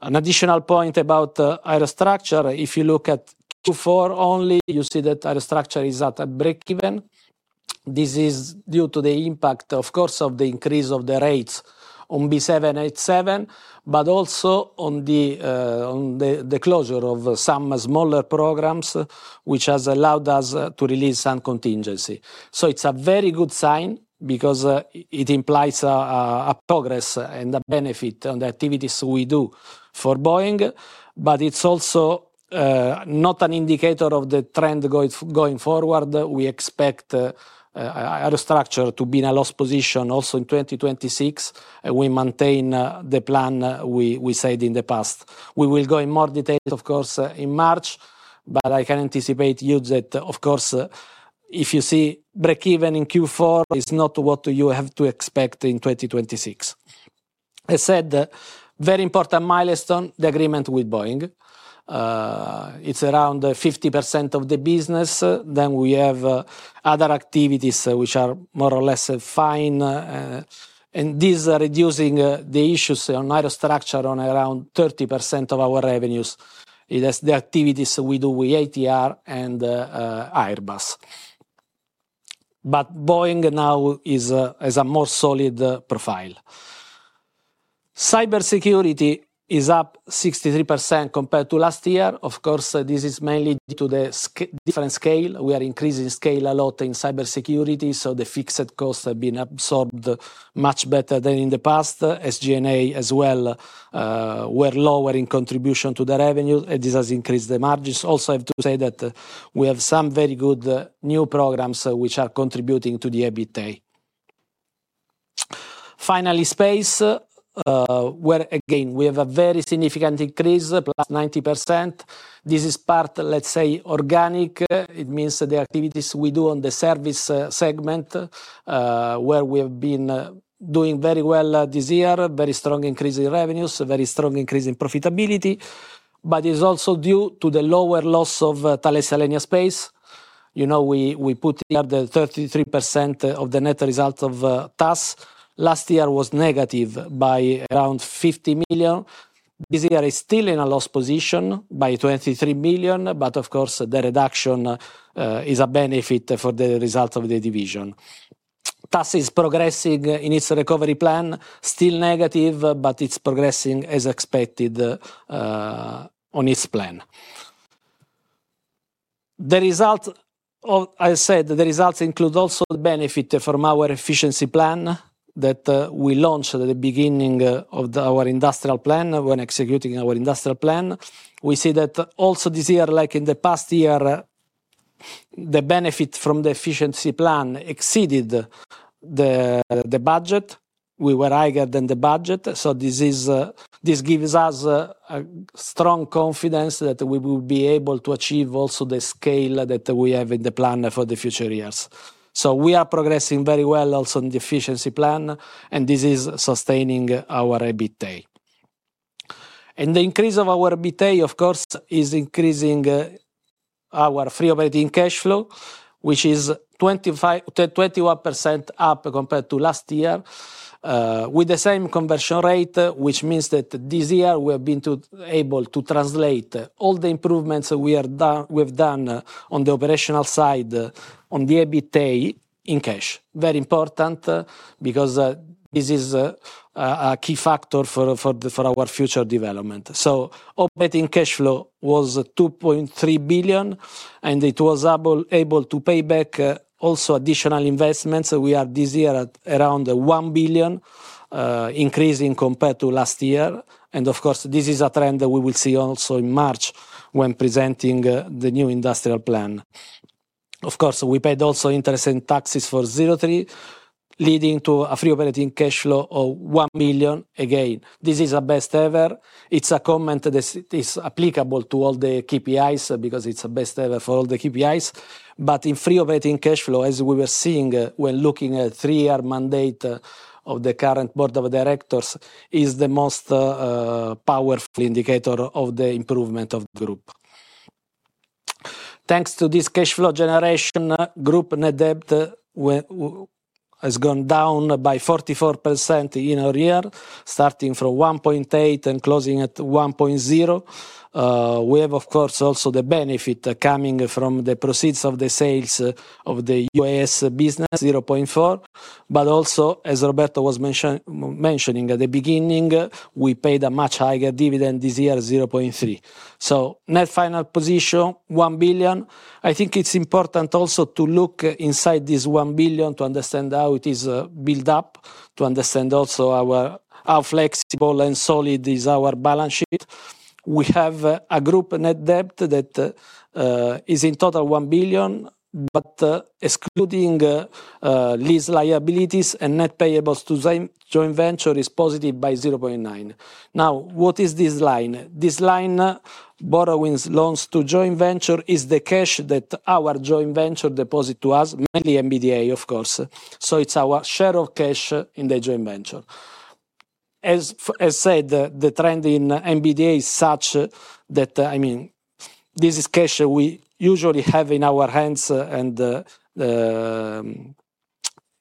An additional point about Aerostructure, if you look at Q4 only, you see that Aerostructure is at a break-even. This is due to the impact, of course, of the increase of the rates on B787, also on the closure of some smaller programs, which has allowed us to release some contingency. It's a very good sign because it implies a progress and a benefit on the activities we do for Boeing. It's also not an indicator of the trend going forward. We expect Aerostructure to be in a loss position also in 2026. We maintain the plan we said in the past. We will go in more detail, of course, in March. I can anticipate you that, of course, if you see break-even in Q4, it's not what you have to expect in 2026. I said, a very important milestone, the agreement with Boeing. It's around 50% of the business. We have other activities which are more or less fine, and these are reducing the issues on Aerostructure on around 30% of our revenues. It has the activities we do with ATR and Airbus. Boeing now is a more solid profile. Cybersecurity is up 63% compared to last year. Of course, this is mainly due to the different scale. We are increasing scale a lot in cybersecurity, the fixed costs have been absorbed much better than in the past. SG&A as well, were lower in contribution to the revenue. This has increased the margins. Also, I have to say that we have some very good new programs which are contributing to the EBITDA. Finally, Space, where, again, we have a very significant increase, +90%. This is part, let's say, organic. It means that the activities we do on the service segment, where we have been doing very well this year, very strong increase in revenues, a very strong increase in profitability. It's also due to the lower loss of Thales Alenia Space. You know, we put here the 33% of the net result of TAS. Last year was negative by around 50 million. This year is still in a loss position by 23 million. Of course, the reduction is a benefit for the result of the division. TAS is progressing in its recovery plan, still negative. It's progressing as expected on its plan. The results include also the benefit from our efficiency plan that we launched at the beginning of the our industrial plan, when executing our industrial plan. We see that also this year, like in the past year, the benefit from the efficiency plan exceeded the budget. We were higher than the budget. This gives us a strong confidence that we will be able to achieve also the scale that we have in the plan for the future years. We are progressing very well also in the efficiency plan, and this is sustaining our EBITDA. The increase of our EBITDA, of course, is increasing our free operating cash flow, which is 21% up compared to last year, with the same conversion rate, which means that this year we have been able to translate all the improvements we've done on the operational side, on the EBITDA in cash. Very important, because this is a key factor for our future development. Operating cash flow was 2.3 billion, and it was able to pay back also additional investments. We are, this year, at around 1 billion, increasing compared to last year. Of course, this is a trend that we will see also in March when presenting the new industrial plan. Of course, we paid also interest in taxes for 0.3, leading to a free operating cash flow of 1 million. Again, this is a best ever. It's a comment that is applicable to all the KPIs, because it's a best ever for all the KPIs. But in free operating cash flow, as we were seeing when looking at three-year mandate of the current board of directors, is the most powerful indicator of the improvement of the group. Thanks to this cash flow generation, group net debt has gone down by 44% year-on-year, starting from 1.8 billion and closing at 1.0 billion. We have, of course, also the benefit coming from the proceeds of the sales of the UAS business, 0.4. Also, as Roberto was mentioning at the beginning, we paid a much higher dividend this year, 0.3. Net final position, 1 billion. I think it's important also to look inside this 1 billion to understand how it is built up, to understand how flexible and solid is our balance sheet. We have a group net debt that is in total 1 billion, but excluding lease liabilities and net payables to joint venture is positive by 0.9. What is this line? This line, borrowings loans to joint venture, is the cash that our joint venture deposit to us, mainly MBDA, of course. It's our share of cash in the joint venture. As said, the trend in MBDA is such that, I mean, this is cash we usually have in our hands and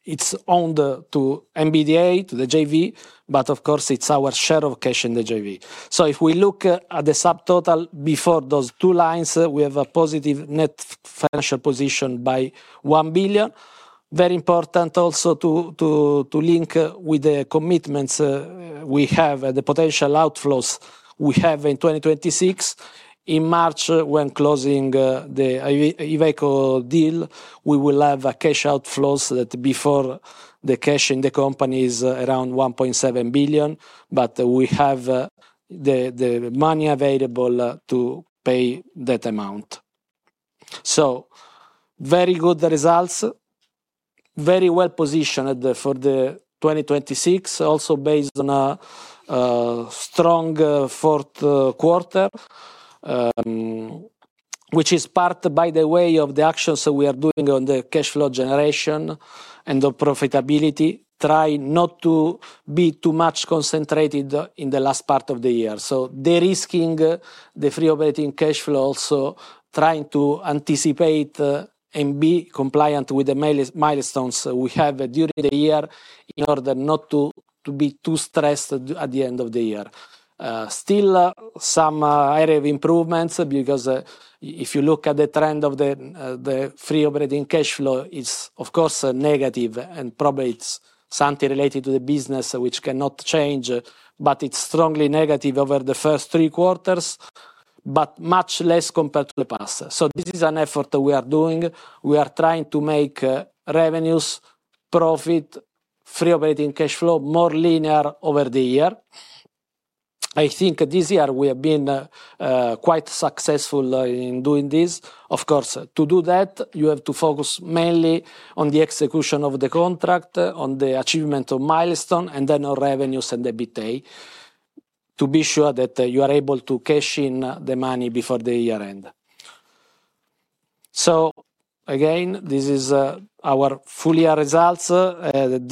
it's owned to MBDA, to the JV, but of course it's our share of cash in the JV. If we look at the subtotal before those two lines, we have a positive net financial position by 1 billion. Very important also to link with the commitments we have, the potential outflows we have in 2026. In March, when closing the Iveco deal, we will have a cash outflows that before the cash in the company is around 1.7 billion, but we have the money available to pay that amount. Very good results, very well positioned for the 2026, also based on a strong fourth quarter. Which is part, by the way, of the actions that we are doing on the cash flow generation and the profitability, trying not to be too much concentrated in the last part of the year. De-risking the free operating cash flow, also trying to anticipate and be compliant with the milestones we have during the year, in order not to be too stressed at the end of the year. Still, some area of improvements, because if you look at the trend of the free operating cash flow, it's of course, negative, and probably it's something related to the business which cannot change, but it's strongly negative over the first three quarters, but much less compared to the past. This is an effort that we are doing. We are trying to make revenues, profit, free operating cash flow more linear over the year. I think this year we have been quite successful in doing this. Of course, to do that, you have to focus mainly on the execution of the contract, on the achievement of milestone, and then on revenues and EBITDA, to be sure that you are able to cash in the money before the year end. Again, this is our full year results,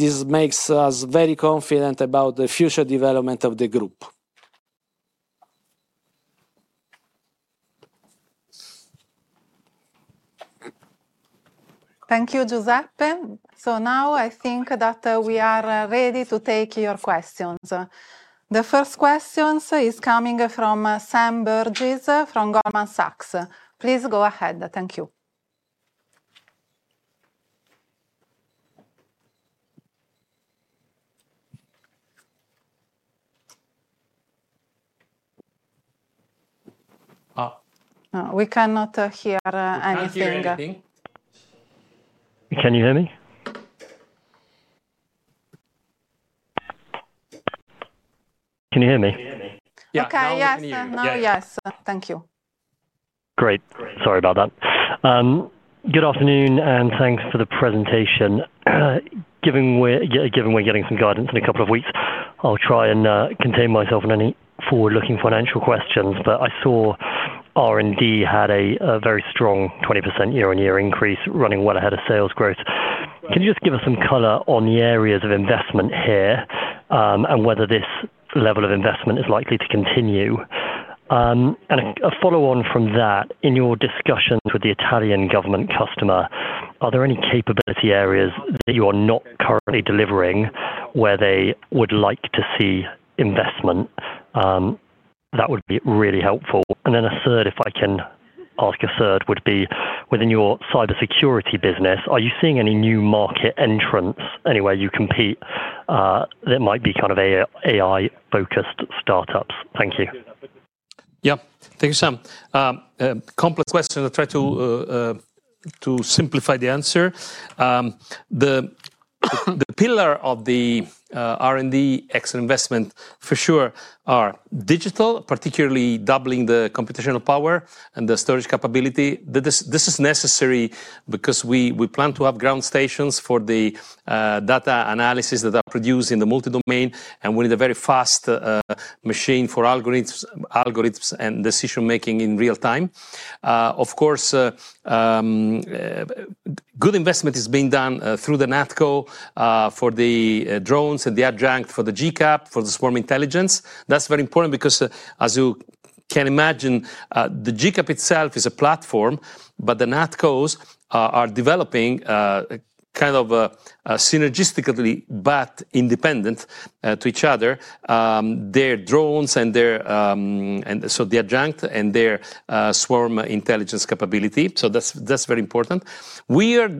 this makes us very confident about the future development of the group. Thank you, Giuseppe. Now I think that, we are ready to take your questions. The first questions is coming from Sam Burgess, from Goldman Sachs. Please go ahead. Thank you. We cannot hear anything. We can't hear anything. Can you hear me? Can you hear me? Yeah, now we can hear you. Okay. Yes. Now, yes. Thank you. Great. Sorry about that. Good afternoon, and thanks for the presentation. Given we're getting some guidance in a couple of weeks, I'll try and contain myself on any forward-looking financial questions. I saw R&D had a very strong 20% year-on-year increase, running well ahead of sales growth. Can you just give us some color on the areas of investment here, and whether this level of investment is likely to continue? A follow on from that, in your discussions with the Italian government customer, are there any capability areas that you are not currently delivering where they would like to see investment? That would be really helpful. A third, if I can ask a third, would be: within your cybersecurity business, are you seeing any new market entrants anywhere you compete, that might be kind of AI-focused startups? Thank you. Yeah. Thank you, Sam. Complex question. I'll try to simplify the answer. The pillar of the R&D X investment, for sure, are digital, particularly doubling the computational power and the storage capability. This is necessary because we plan to have ground stations for the data analysis that are produced in the multi-domain, and we need a very fast machine for algorithms and decision-making in real time. Of course, good investment is being done through the NatCo for the drones and the adjunct for the GCAP, for the swarm intelligence. That's very important because as you can imagine, the GCAP itself is a platform, but the NatCos are developing a kind of a synergistically but independent to each other, their drones and their... The adjunct and their swarm intelligence capability. That's very important. We are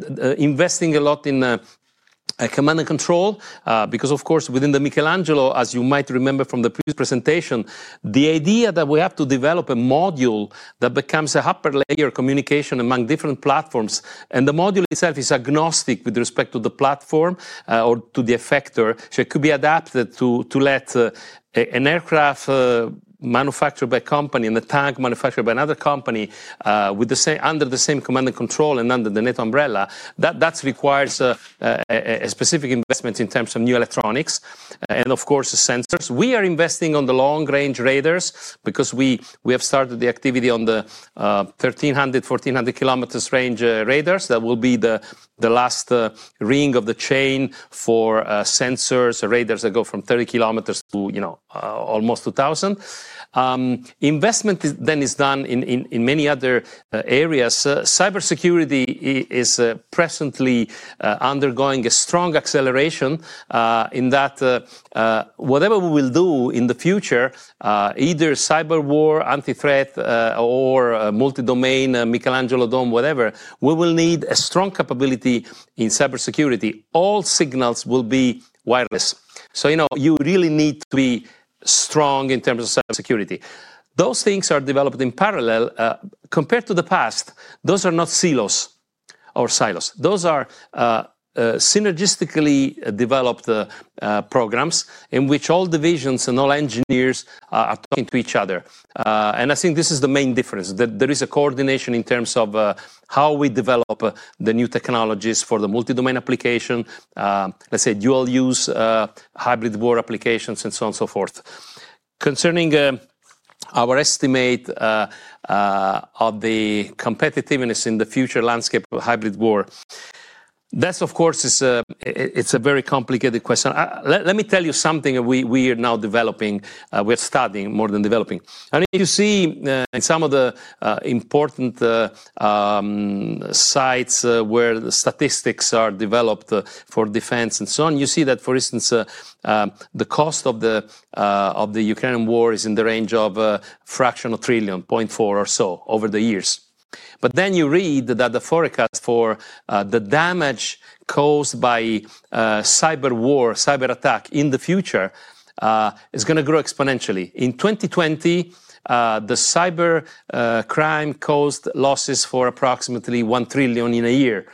investing a lot in command and control because, of course, within the Michelangelo, as you might remember from the previous presentation, the idea that we have to develop a module that becomes a hyper-layer communication among different platforms, and the module itself is agnostic with respect to the platform or to the effector. It could be adapted to let an aircraft manufactured by a company and a tank manufactured by another company under the same command and control and under the net umbrella. That requires a specific investment in terms of new electronics and, of course, the sensors. We are investing on the long-range radars because we have started the activity on the 1,300 km-1,400 km range radars. That will be the last ring of the chain for sensors, radars that go from 30 km to, you know, almost 2,000. Investment is done in many other areas. Cybersecurity is presently undergoing a strong acceleration in that whatever we will do in the future, either cyber war, anti-threat, or multi-domain, Michelangelo Dome, whatever, we will need a strong capability in cybersecurity. All signals will be wireless. You know, you really need to be strong in terms of cybersecurity. Those things are developed in parallel. Compared to the past, those are not silos or silos. Those are synergistically developed programs, in which all divisions and all engineers are talking to each other. I think this is the main difference, that there is a coordination in terms of how we develop the new technologies for the multi-domain application, let's say, dual-use, hybrid war applications, and so on and so forth. Concerning our estimate of the competitiveness in the future landscape of hybrid war, that, of course, is it's a very complicated question. Let me tell you something we are now developing, we're studying, more than developing. If you see, in some of the important sites, where the statistics are developed for defense and so on, you see that, for instance, the cost of the Ukrainian war is in the range of a fraction of trillion, 0.4 trillion or so, over the years. You read that the forecast for the damage caused by cyber war, cyberattack in the future, is gonna grow exponentially. In 2020, the cyber crime caused losses for approximately 1 trillion in a year.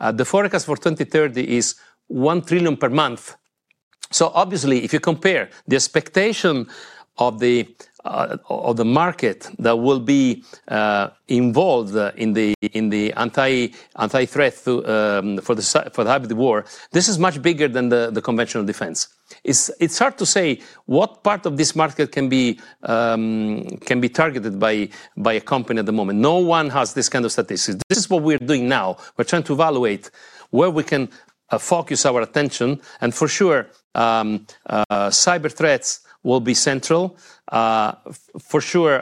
The forecast for 2030 is 1 trillion per month. Obviously, if you compare the expectation of the market that will be involved in the anti-threat for the hybrid war, this is much bigger than the conventional defense. It's hard to say what part of this market can be targeted by a company at the moment. No one has this kind of statistics. This is what we're doing now. We're trying to evaluate where we can focus our attention, and for sure, cyber threats will be central. For sure,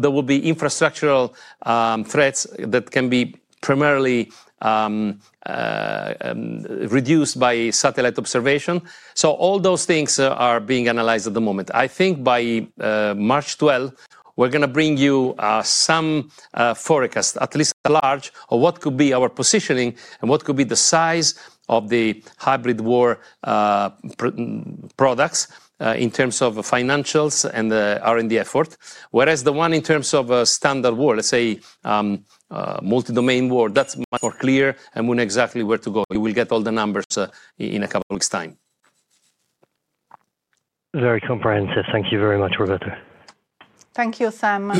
there will be infrastructural threats that can be primarily reduced by satellite observation. All those things are being analyzed at the moment. I think by March 12th, we're gonna bring you some forecast, at least large, of what could be our positioning and what could be the size of the hybrid war products in terms of financials and the R&D effort, whereas the one in terms of a standard war, let's say, multi-domain war, that's much more clear, and we know exactly where to go. You will get all the numbers in a couple of weeks' time. Very comprehensive. Thank you very much, Roberto. Thank you, Sam.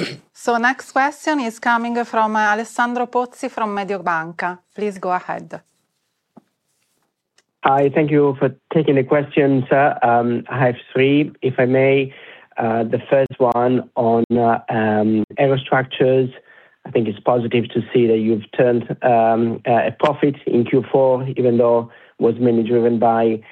Next question is coming from Alessandro Pozzi from Mediobanca. Please go ahead. Hi, thank you for taking the question, sir. I have three, if I may. The first one on Aerostructures. I think it's positive to see that you've turned a profit in Q4, even though was mainly driven by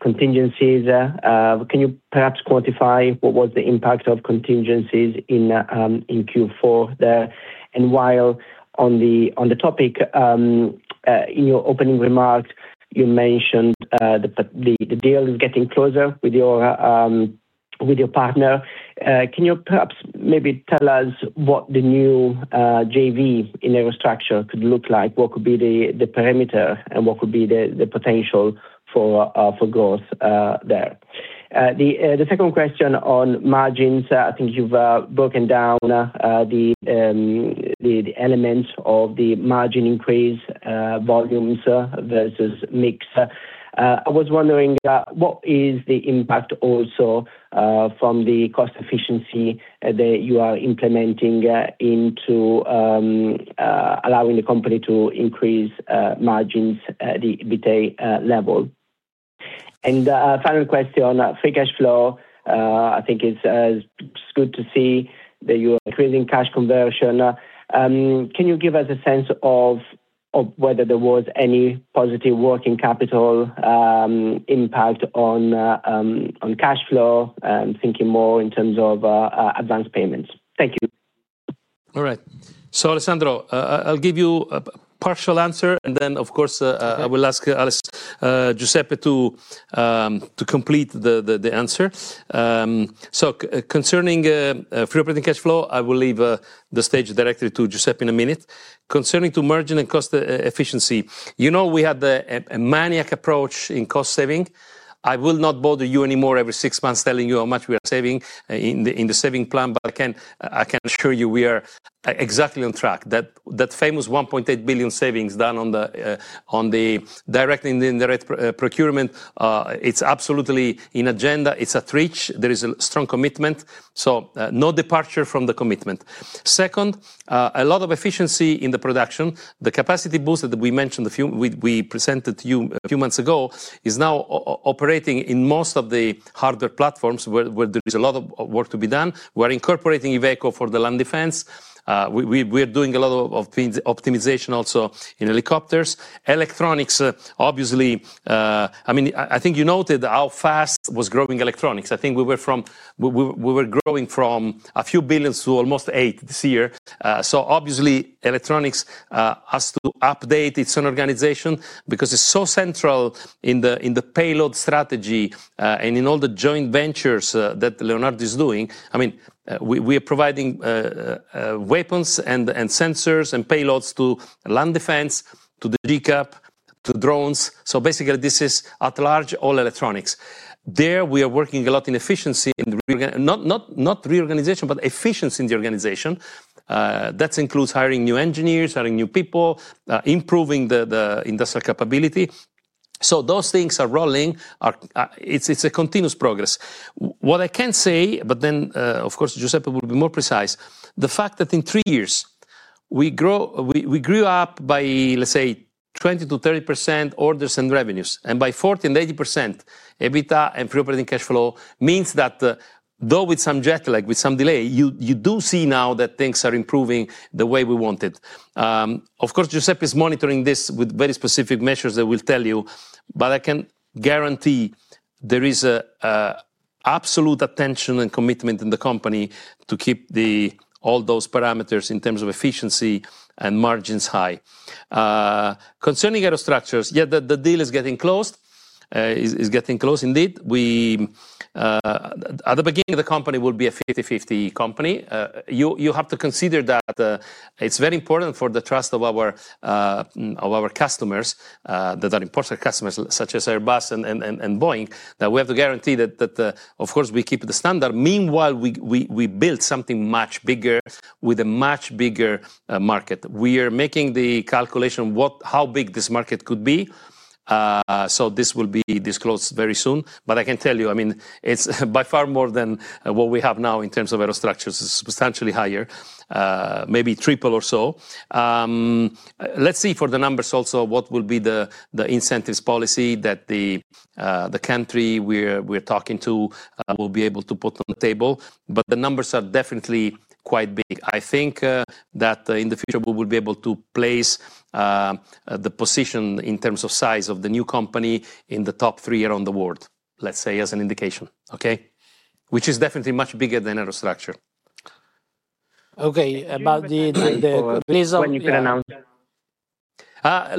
contingencies. Can you perhaps quantify what was the impact of contingencies in Q4 there? While on the topic, in your opening remarks, you mentioned the deal is getting closer with your partner. Can you perhaps maybe tell us what the new JV in Aerostructures could look like? What could be the parameter, and what could be the potential for growth there? The second question on margins, I think you've broken down the elements of the margin increase, volumes versus mix. I was wondering what is the impact also from the cost efficiency that you are implementing into allowing the company to increase margins at the EBITDA level? Final question on free cash flow. I think it's good to see that you're increasing cash conversion. Can you give us a sense of whether there was any positive working capital impact on on cash flow, thinking more in terms of advanced payments. Thank you. All right. Alessandro, I'll give you a partial answer, of course. Okay I will ask Giuseppe Aurilio, to complete the answer. Concerning free operating cash flow, I will leave the stage directly to Giuseppe in a minute. Concerning margin and cost efficiency, you know, we had a maniac approach in cost saving. I will not bother you anymore every six months telling you how much we are saving in the saving plan, but I can assure you, we are exactly on track. That famous 1.8 billion savings done on the direct and indirect procurement, it's absolutely in agenda. It's at reach. There is a strong commitment, so no departure from the commitment. Second, a lot of efficiency in the production. The Capacity Boost that we mentioned a few months ago, is now operating in most of the harder platforms, where there is a lot of work to be done. We're incorporating Iveco for the land defense. We are doing a lot of things, optimization also in helicopters. Electronics, I mean, I think you noted how fast was growing electronics. I think we were growing from a few billion to almost 8 billion this year. Obviously, electronics has to update its own organization because it's so central in the payload strategy and in all the joint ventures that Leonardo is doing. I mean, we are providing weapons and sensors and payloads to land defense, to the DCAP, to drones. Basically, this is at large, all electronics. There, we are working a lot in efficiency, in not reorganization, but efficiency in the organization. That includes hiring new engineers, hiring new people, improving the industrial capability. Those things are rolling. It's a continuous progress. What I can say, of course, Giuseppe will be more precise, the fact that in three years, we grew up by, let's say, 20%-30% orders and revenues, and by 40% and 80%, EBITDA and free operating cash flow means that, though with some jet lag, with some delay, you do see now that things are improving the way we wanted. Of course, Giuseppe is monitoring this with very specific measures that he will tell you, but I can guarantee there is absolute attention and commitment in the company to keep all those parameters in terms of efficiency and margins high. Concerning Aerostructures, yeah, the deal is getting closed, is getting close indeed. We, at the beginning of the company, will be a 50/50 company. You have to consider that it's very important for the trust of our customers, that are important customers, such as Airbus and Boeing, that we have to guarantee that, of course, we keep the standard. Meanwhile, we build something much bigger with a much bigger market. We are making the calculation what, how big this market could be. This will be disclosed very soon, but I can tell you, I mean, it's by far more than what we have now in terms of Aerostructures, is substantially higher, maybe triple or so. Let's see for the numbers also, what will be the incentives policy that the country we're talking to will be able to put on the table, but the numbers are definitely quite big. I think that in the future, we will be able to place the position in terms of size of the new company in the top three around the world, let's say, as an indication. Okay? Which is definitely much bigger than Aerostructure. Okay, about the release of. When you can announce that?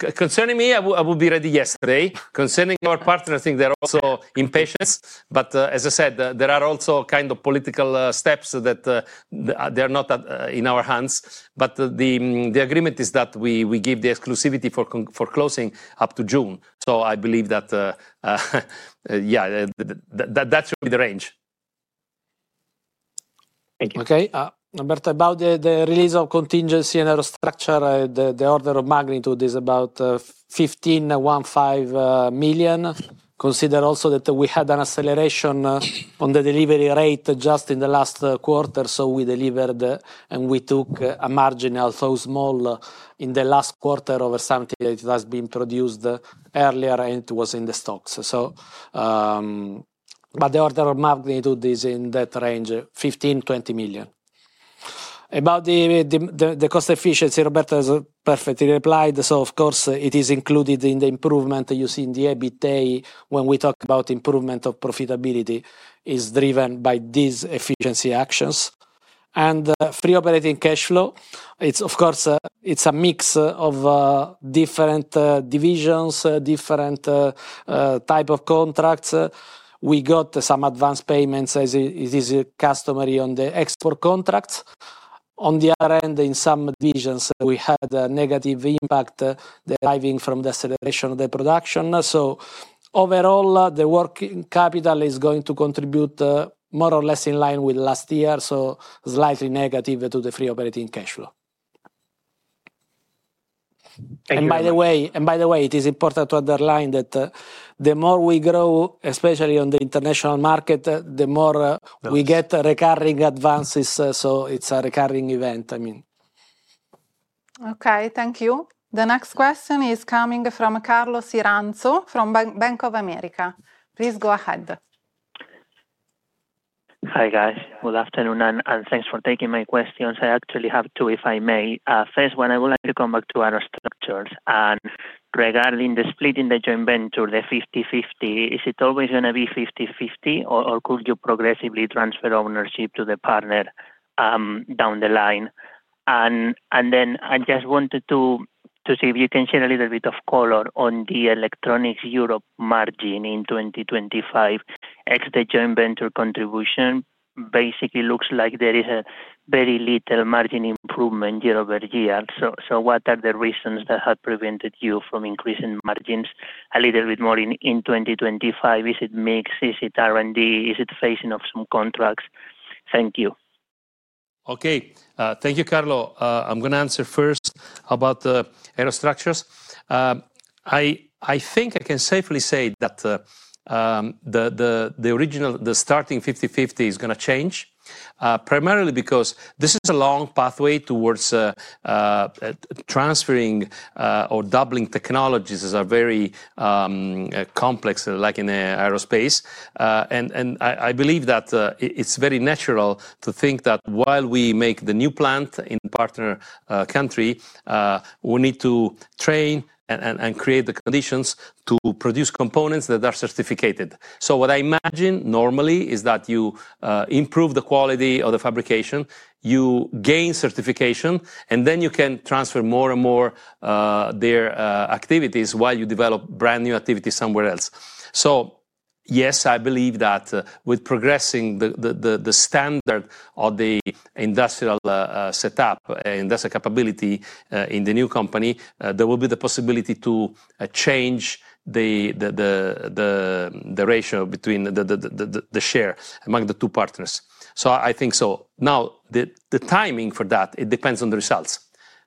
Look, concerning me, I would be ready yesterday. Concerning our partner, I think they're also impatient, but as I said, there are also kind of political steps that they are not in our hands. The agreement is that we give the exclusivity for closing up to June. I believe that yeah, that should be the range. Thank you. Okay, about the release of contingency and Aerostructure, the order of magnitude is about 15 million. Consider also that we had an acceleration on the delivery rate just in the last quarter, we delivered, we took a margin, although small, in the last quarter, over something that has been produced earlier, and it was in the stocks. The order of magnitude is in that range, 15 million-20 million. About the cost efficiency, Roberto has perfectly replied, of course, it is included in the improvement you see in the EBITA when we talk about improvement of profitability is driven by these efficiency actions. Free operating cash flow, it's of course, it's a mix of different divisions, different type of contracts. We got some advanced payments, as it is customary on the export contracts. On the other end, in some divisions, we had a negative impact deriving from the celebration of the production. Overall, the working capital is going to contribute, more or less in line with last year, so slightly negative to the free operating cash flow. Thank you. By the way, it is important to underline that the more we grow, especially on the international market, the more we get recurring advances, so it's a recurring event, I mean. Okay, thank you. The next question is coming from Carlos Iranzo, from Bank of America. Please go ahead. Hi, guys. Good afternoon, and thanks for taking my questions. I actually have two, if I may. First one, I would like to come back to Aerostructures. Regarding the split in the joint venture, the 50/50, is it always going to be 50/50, or could you progressively transfer ownership to the partner down the line? Then I just wanted to see if you can share a little bit of color on the Electronics Europe margin in 2025. Ex the joint venture contribution, basically looks like there is a very little margin improvement year-over-year. What are the reasons that have prevented you from increasing margins a little bit more in 2025? Is it mix? Is it R&D? Is it phasing of some contracts? Thank you. Okay, thank you, Carlos. I'm going to answer first about the Aerostructures. I think I can safely say that the starting 50/50 is going to change, primarily because this is a long pathway towards transferring or doubling technologies is a very complex, like in aerospace. I believe that it's very natural to think that while we make the new plant in partner country, we need to train and create the conditions to produce components that are certificated. What I imagine normally is that you improve the quality of the fabrication, you gain certification, and then you can transfer more and more their activities while you develop brand-new activities somewhere else. Yes, I believe that with progressing the standard of the industrial setup, industrial capability in the new company, there will be the possibility to change the ratio between the share among the two partners. I think so. The timing for that, it depends on the results,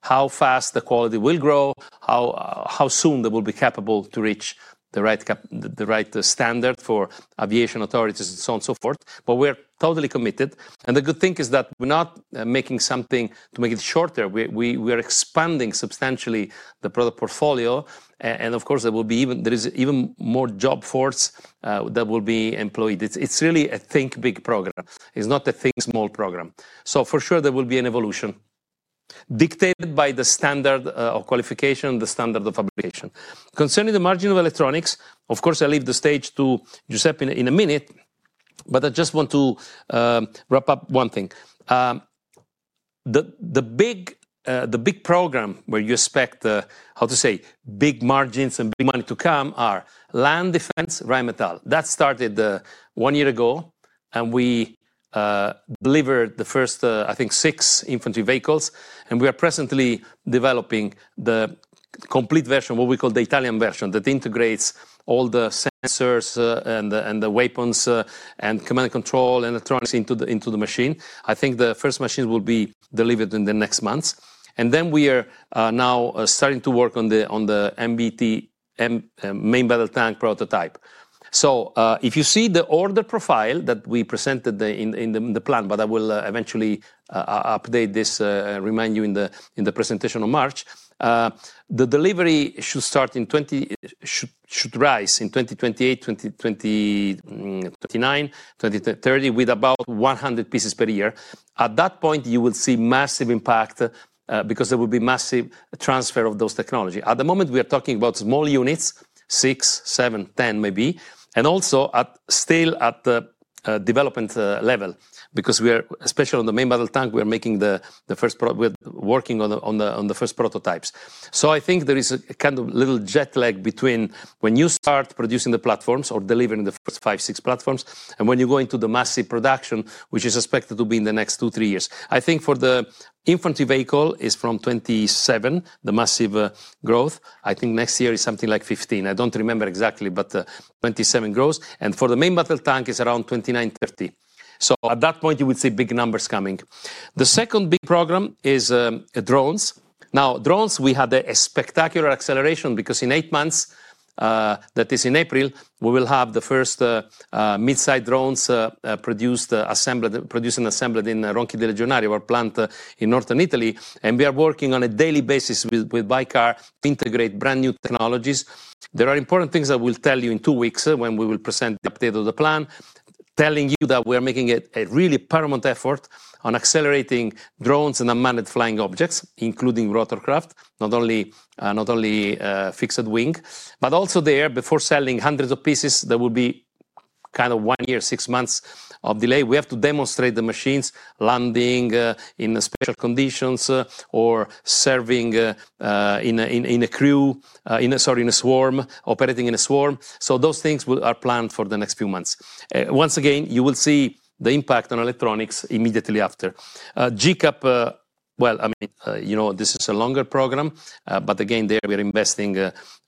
how fast the quality will grow, how soon they will be capable to reach the right standard for aviation authorities, and so on, so forth. We're totally committed, and the good thing is that we're not making something to make it shorter. We are expanding substantially the product portfolio, and of course, there is even more job force that will be employed. It's really a think big program. It's not a think small program. For sure, there will be an evolution dictated by the standard of qualification, the standard of fabrication. Concerning the margin of electronics, of course, I leave the stage to Giuseppe in a minute, but I just want to wrap up one thing. The big program where you expect how to say, big margins and big money to come are land defense, Rheinmetall. That started one year ago, and we delivered the first, I think, six infantry vehicles, and we are presently developing the complete version, what we call the Italian version, that integrates all the sensors and the weapons and command and control electronics into the machine. I think the first machine will be delivered in the next months. We are now starting to work on the MBT main battle tank prototype. If you see the order profile that we presented in the plan, but I will eventually update this, remind you in the presentation of March, the delivery should rise in 2028, 2029, 2030, with about 100 pieces per year. At that point, you will see massive impact, because there will be massive transfer of those technology. At the moment, we are talking about small units, six, seven, 10, maybe, and also still at the development level, because we are, especially on the main battle tank, we're working on the first prototypes. I think there is a kind of little jet lag between when you start producing the platforms or delivering the first five to six platforms and when you go into the massive production, which is expected to be in the next two to three years. I think for the infantry vehicle, is from 2027, the massive growth. I think next year is something like 15. I don't remember exactly, but 27 growth. For the main battle tank, it's around 29-30. At that point, you will see big numbers coming. The second big program is drones. Drones, we had a spectacular acceleration, because in eight months, that is in April, we will have the first mid-size drones produced, assembled, produced and assembled in Ronchi dei Legionari, our plant in northern Italy. We are working on a daily basis with Baykar to integrate brand-new technologies. There are important things I will tell you in two weeks, when we will present the update of the plan, telling you that we are making a really paramount effort on accelerating drones and unmanned flying objects, including rotorcraft, not only fixed wing. Also there, before selling hundreds of pieces, there will be kind of one year, six months of delay. We have to demonstrate the machines landing in special conditions or serving in a crew, sorry, in a swarm, operating in a swarm. Those things are planned for the next few months. Once again, you will see the impact on electronics immediately after. GCAP, well, I mean, you know, this is a longer program, but again, there we are investing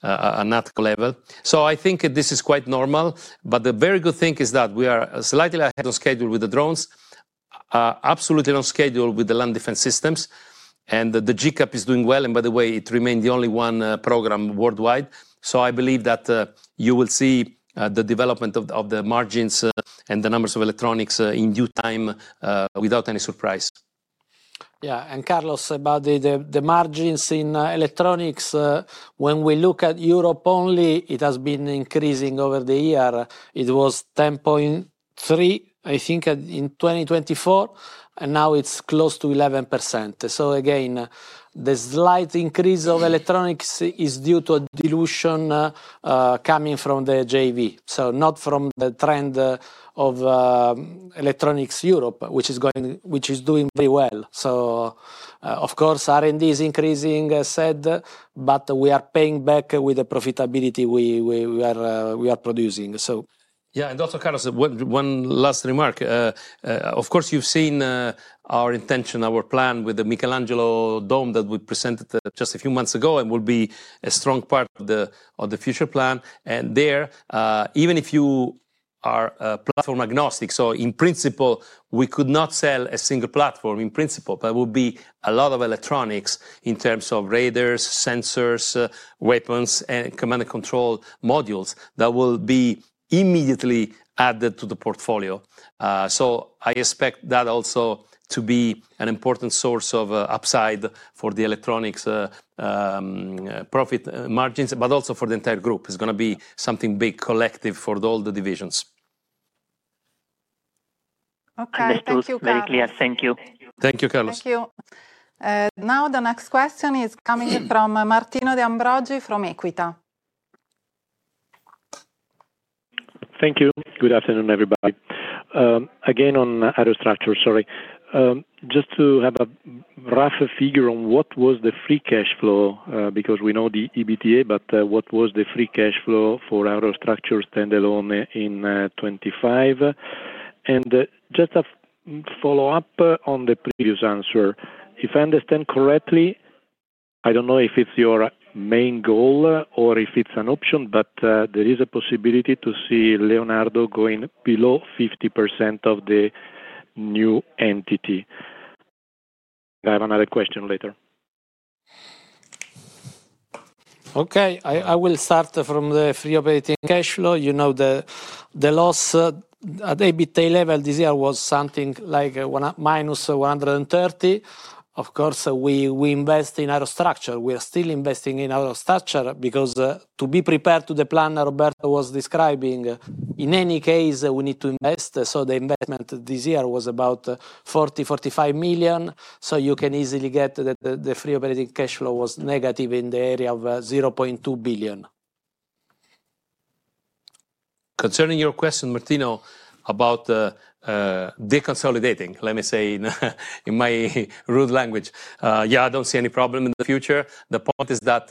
another level. I think this is quite normal, but the very good thing is that we are slightly ahead of schedule with the drones, absolutely on schedule with the land defense systems, and the GCAP is doing well, and by the way, it remained the only one program worldwide. I believe that you will see the development of the margins, and the numbers of electronics, in due time, without any surprise. Carlos, about the margins in Electronics, when we look at Europe only, it has been increasing over the year. It was 10.3%, I think, at, in 2024, and now it's close to 11%. Again, the slight increase of Electronics is due to dilution coming from the JV, not from the trend of Electronics Europe, which is doing very well. Of course, R&D is increasing, as said, but we are paying back with the profitability we are producing. Yeah, and also, Carlos, one last remark. Of course, you've seen our intention, our plan with the Michelangelo Dome that we presented just a few months ago, and will be a strong part of the future plan. And there, even if you are platform agnostic, so in principle, we could not sell a single platform in principle, but it would be a lot of electronics in terms of radars, sensors, weapons, and command and control modules that will be immediately added to the portfolio. I expect that also to be an important source of upside for the electronics, profit margins, but also for the entire group. It's gonna be something big, collective for all the divisions. Okay, thank you, Carlos. Understood. Very clear. Thank you. Thank you, Carlos. Thank you. Now, the next question is coming from Martino De Ambroggi from Equita. Thank you. Good afternoon, everybody. Again, on Aerostructures, sorry. Just to have a rough figure on what was the free cash flow, because we know the EBITDA, but what was the free cash flow for Aerostructures standalone in, 2025? Just a follow-up on the previous answer, if I understand correctly, I don't know if it's your main goal or if it's an option, but, there is a possibility to see Leonardo going below 50% of the new entity. I have another question later. Okay, I will start from the free operating cash flow. You know, the loss at EBITDA level this year was something like -130 million. Of course, we invest in Aerostructure. We are still investing in Aerostructure because to be prepared to the plan Roberto was describing, in any case, we need to invest. The investment this year was about 40 million-45 million, so you can easily get that the free operating cash flow was negative in the area of 0.2 billion. Concerning your question, Martino, about deconsolidating, let me say, in my rude language, yeah, I don't see any problem in the future. The point is that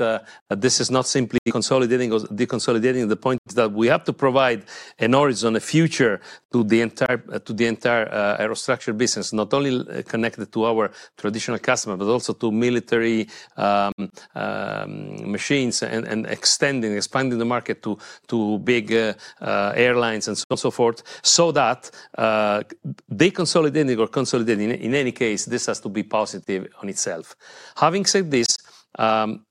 this is not simply consolidating or deconsolidating. The point is that we have to provide a horizon, a future to the entire Aerostructures business, not only connected to our traditional customer, but also to military machines and extending, expanding the market to big airlines and so on, so forth, so that deconsolidating or consolidating, in any case, this has to be positive on itself. Having said this,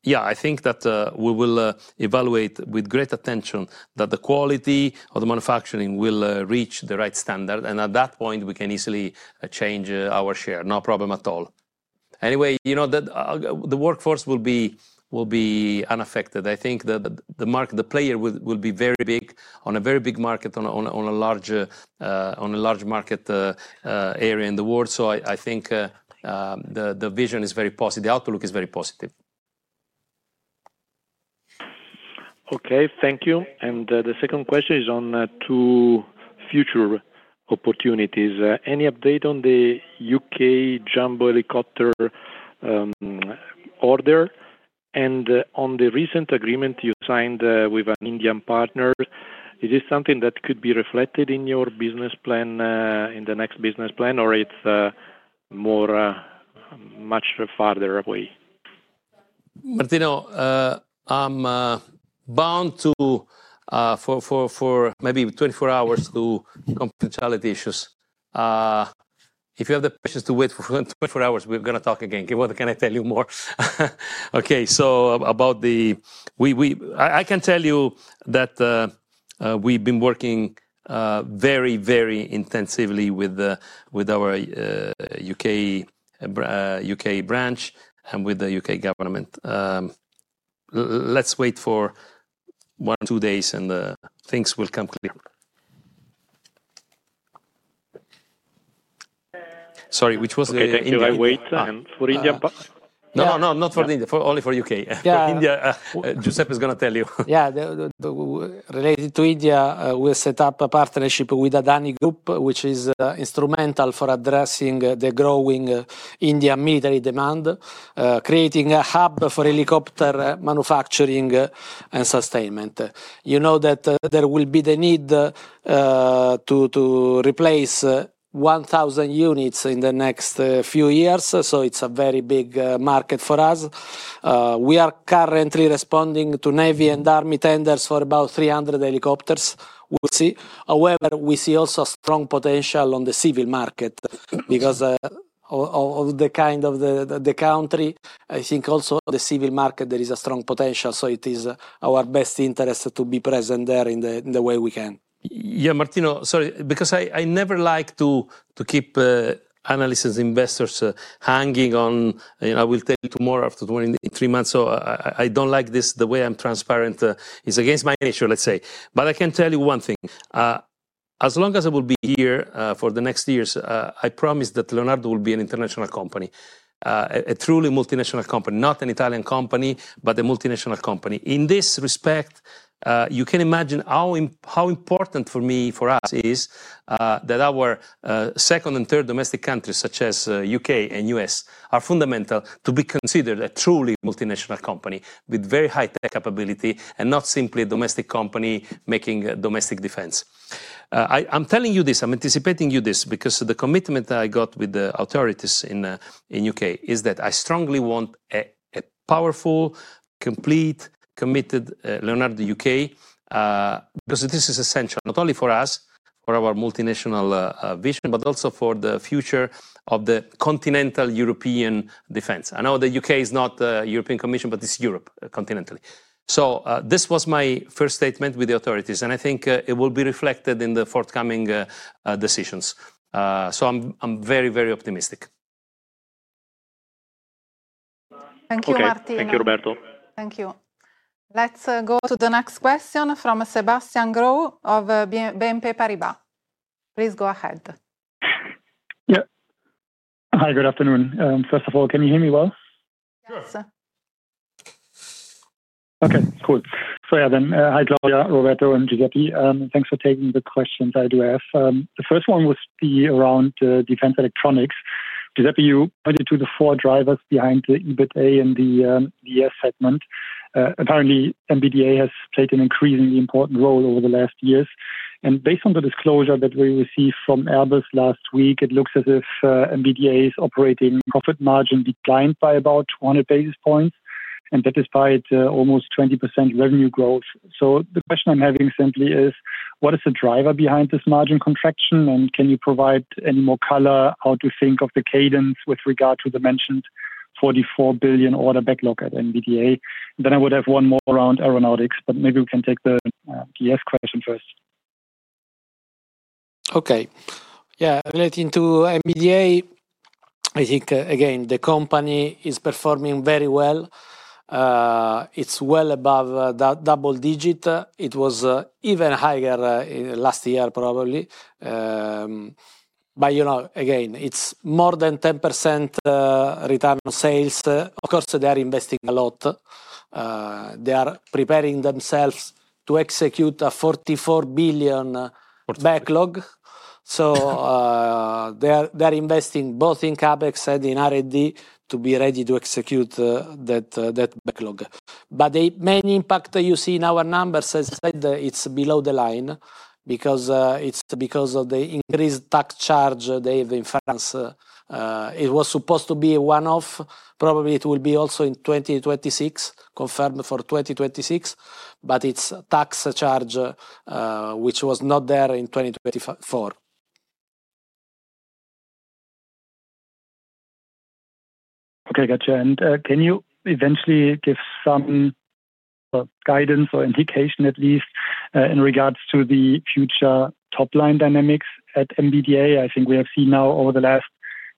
yeah, I think that we will evaluate with great attention that the quality of the manufacturing will reach the right standard, and at that point, we can easily change our share. No problem at all. Anyway, you know, the workforce will be unaffected. I think that the market the player will be very big, on a very big market, on a large market area in the world. I think the vision is very positive. The outlook is very positive. Okay, thank you. The second question is on two future opportunities. Any update on the U.K. jumbo helicopter order? On the recent agreement you signed with an Indian partner, is this something that could be reflected in your business plan in the next business plan, or it's more much farther away? Martino, I'm bound to 24 hours to confidentiality issues. If you have the patience to wait for 24 hours, we're gonna talk again. What can I tell you more? I can tell you that we've been working very, very intensively with the, with our U.K. branch and with the U.K. government. Let's wait for one, two days, and things will come clear. Sorry, which was the Indian? Okay, I wait. For India part? No, no, not for India, for, only for U.K. Yeah. For India, Giuseppe is gonna tell you. Related to India, we set up a partnership with Adani Group, which is instrumental for addressing the growing India military demand, creating a hub for helicopter manufacturing and sustainment. You know, that there will be the need to replace 1,000 units in the next few years. It's a very big market for us. We are currently responding to navy and army tenders for about 300 helicopters. We'll see. However, we see also strong potential on the civil market because of the kind of the country. I think also the civil market, there is a strong potential. It is our best interest to be present there in the way we can. Yeah, Martino, sorry, because I never like to keep analysts, investors, hanging on. I will tell you tomorrow, after 23 months, so I don't like this. The way I'm transparent is against my nature, let's say. I can tell you one thing. As long as I will be here, for the next years, I promise that Leonardo will be an international company, a truly multinational company, not an Italian company, but a multinational company. In this respect, you can imagine how important for me, for us is, that our second and third domestic countries, such as U.K. and U.S., are fundamental to be considered a truly multinational company with very high tech capability and not simply a domestic company making domestic defense. I'm telling you this, I'm anticipating you this, because of the commitment that I got with the authorities in U.K., is that I strongly want a powerful, complete, committed, Leonardo U.K. Because this is essential not only for us, for our multinational vision, but also for the future of the continental European defense. I know the U.K. is not a European Commission, but it's Europe continentally. This was my first statement with the authorities, and I think it will be reflected in the forthcoming decisions. I'm very, very optimistic. Thank you, Martino. Okay. Thank you, Roberto. Thank you. Let's go to the next question from Sebastian Growe of BNP Paribas. Please go ahead. Yeah. Hi, good afternoon. First of all, can you hear me well? Yes, sir. Okay, cool. Yeah, then, hi, Claudia, Roberto, and Giuseppe. Thanks for taking the questions I do have. The first one was be around defense electronics. Giuseppe, you pointed to the four drivers behind the EBITA and the DS segment. Apparently, MBDA has played an increasingly important role over the last years, and based on the disclosure that we received from Airbus last week, it looks as if MBDA's operating profit margin declined by about 20 basis points, and that despite almost 20% revenue growth. The question I'm having simply is: What is the driver behind this margin contraction, and can you provide any more color how to think of the cadence with regard to the mentioned 44 billion order backlog at MBDA? I would have one more around aeronautics, but maybe we can take the DS question first. Okay. Yeah, relating to MBDA, I think, again, the company is performing very well. It's well above the double digit. It was even higher last year, probably. You know, again, it's more than 10% return on sales. Of course, they are investing a lot. They are preparing themselves to execute a 44 billion backlog. They are investing both in CapEx and in R&D to be ready to execute that backlog. The main impact that you see in our numbers, as I said, it's below the line because it's because of the increased tax charge they have in France. It was supposed to be a one-off. Probably, it will be also in 2026, confirmed for 2026, but it's a tax charge which was not there in 2024. Okay, gotcha. Can you eventually give some guidance or indication, at least, in regards to the future top-line dynamics at MBDA? I think we have seen now, over the last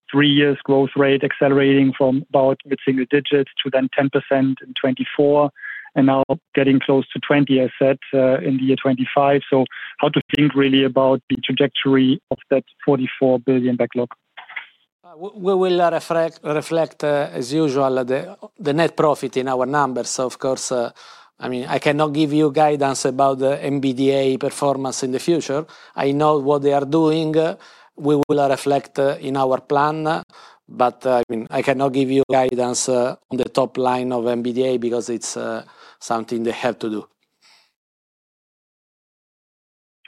three years, growth rate accelerating from about mid-single digits to then 10% in 2024, and now getting close to 20, I said, in the year 2025. How to think really about the trajectory of that 44 billion backlog? We will reflect, as usual, the net profit in our numbers. Of course, I mean, I cannot give you guidance about the MBDA performance in the future. I know what they are doing. We will reflect in our plan, but I mean, I cannot give you guidance on the top line of MBDA because it's something they have to do.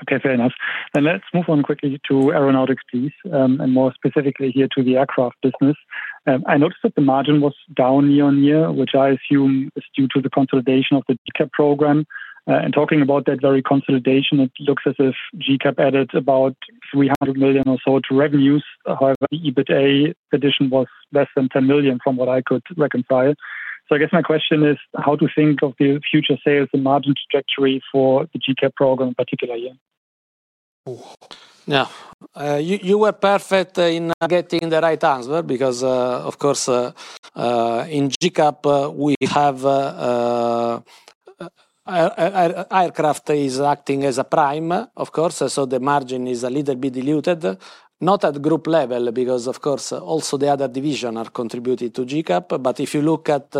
Okay, fair enough. Let's move on quickly to aeronautics, please, and more specifically here to the aircraft business. I noticed that the margin was down year-over-year, which I assume is due to the consolidation of the GCAP program. Talking about that very consolidation, it looks as if GCAP added about 300 million or so to revenues. However, the EBITA addition was less than 10 million, from what I could reconcile. I guess my question is, how to think of the future sales and margin trajectory for the GCAP program in particular year? Now, you were perfect in getting the right answer because, of course, in GCAP, we have aircraft acting as a prime, of course, the margin is a little bit diluted. Not at group level, because, of course, also the other division are contributing to GCAP. If you look at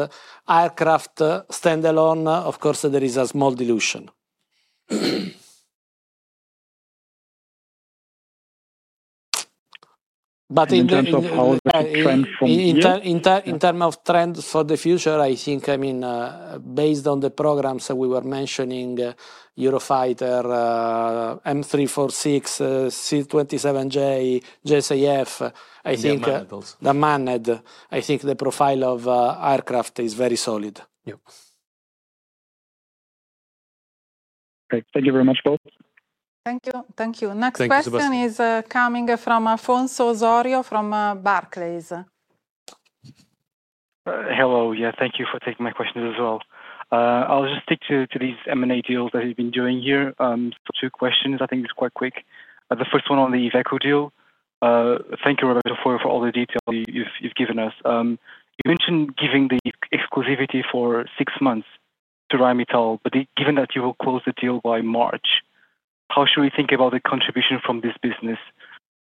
aircraft standalone, of course, there is a small dilution. In terms of how the trend from here. In terms of trends for the future, I think, I mean, based on the programs that we were mentioning, Eurofighter, M-346, C-27J, JSAF, I think. The manned also. I think the profile of aircraft is very solid. Yep. Great. Thank you very much, both. Thank you. Thank you. Thank you, Sebastian. Next question is coming from Afonso Osório from Barclays. Hello. Yeah, thank you for taking my questions as well. I'll just stick to these M&A deals that you've been doing here. Two questions, I think it's quite quick. The first one on the Iveco deal. Thank you, Roberto, for all the detail you've given us. You mentioned giving the exclusivity for six months to Rheinmetall, but given that you will close the deal by March, how should we think about the contribution from this business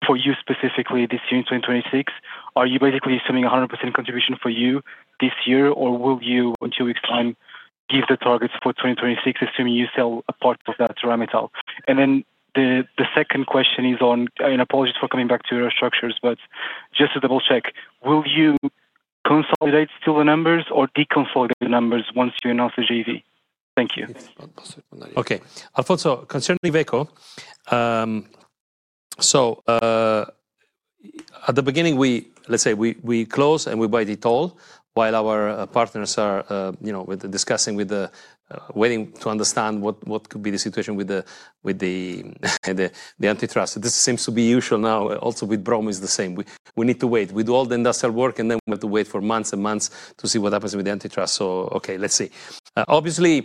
for you specifically this year in 2026? Are you basically assuming a 100% contribution for you this year, or will you, in two weeks' time, give the targets for 2026, assuming you sell a part of that to Rheinmetall? The second question is and apologies for coming back to Aerostructures, but just to double-check, will you consolidate steel numbers or deconsolidate the numbers once you announce the JV? Thank you. Okay. Afonso, concerning Iveco, at the beginning, let's say we close and we buy the toll while our partners are, you know, waiting to understand what could be the situation with the antitrust. This seems to be usual now. Also with Bromo is the same. We need to wait. We do all the industrial work, and then we have to wait for months and months to see what happens with the antitrust. Okay, let's see. Obviously,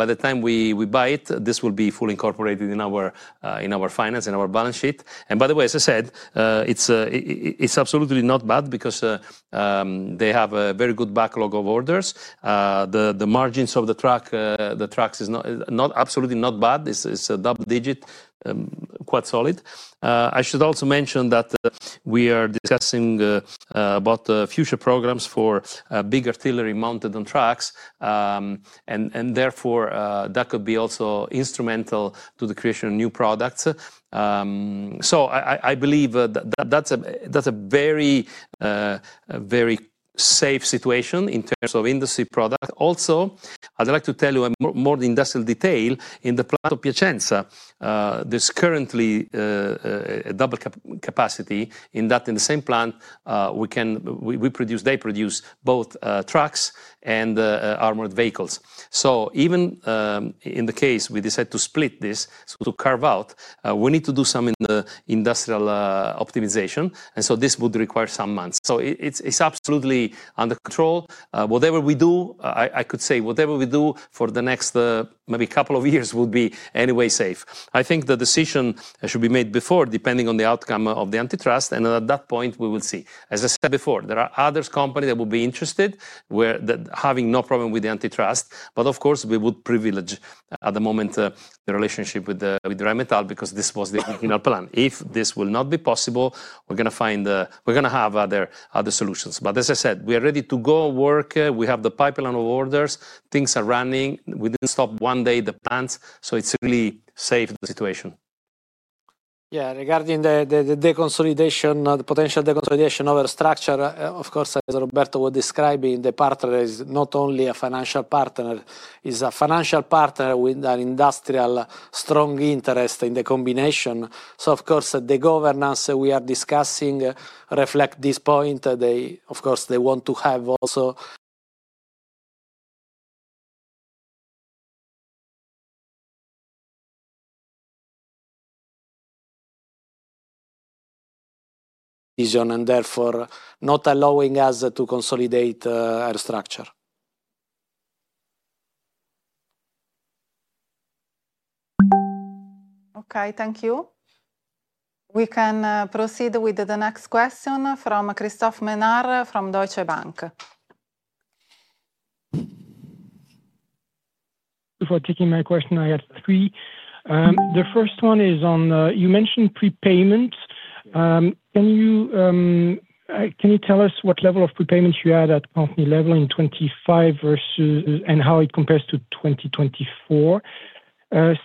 by the time we buy it, this will be fully incorporated in our finance, in our balance sheet. By the way, as I said, it's absolutely not bad because they have a very good backlog of orders. The margins of the trucks is not absolutely not bad. It's a double digit, quite solid. I should also mention that we are discussing about the future programs for big artillery mounted on trucks. Therefore, that could be also instrumental to the creation of new products. I believe that's a very, a very safe situation in terms of industry product. Also, I'd like to tell you more industrial detail in the plant Piacenza. There's currently a double capacity in that, in the same plant, We produce, they produce both trucks and armored vehicles. Even in the case we decide to split this, so to carve out, we need to do some industrial optimization, and so this would require some months. It, it's absolutely under control. Whatever we do, I could say whatever we do for the next maybe couple of years will be anyway safe. I think the decision should be made before, depending on the outcome of the antitrust, and at that point, we will see. As I said before, there are others company that will be interested, where they're having no problem with the antitrust, but of course, we would privilege at the moment, the relationship with the, with Rheinmetall because this was the original plan. If this will not be possible, we're going to find... We're going to have other solutions. As I said, we are ready to go work. We have the pipeline of orders. Things are running. We didn't stop one day the plants, so it's a really safe situation. Regarding the, the deconsolidation, the potential deconsolidation of Aerostructures, of course, as Roberto was describing, the partner is not only a financial partner, is a financial partner with an industrial strong interest in the combination. Of course, the governance we are discussing reflect this point. Of course, they want to have also vision, and therefore, not allowing us to consolidate, Aerostructures. Okay, thank you. We can proceed with the next question from Christophe Menard from Deutsche Bank. Before taking my question, I have three. The first one is on, you mentioned prepayments. Can you tell us what level of prepayments you had at company level in 2025 versus and how it compares to 2024?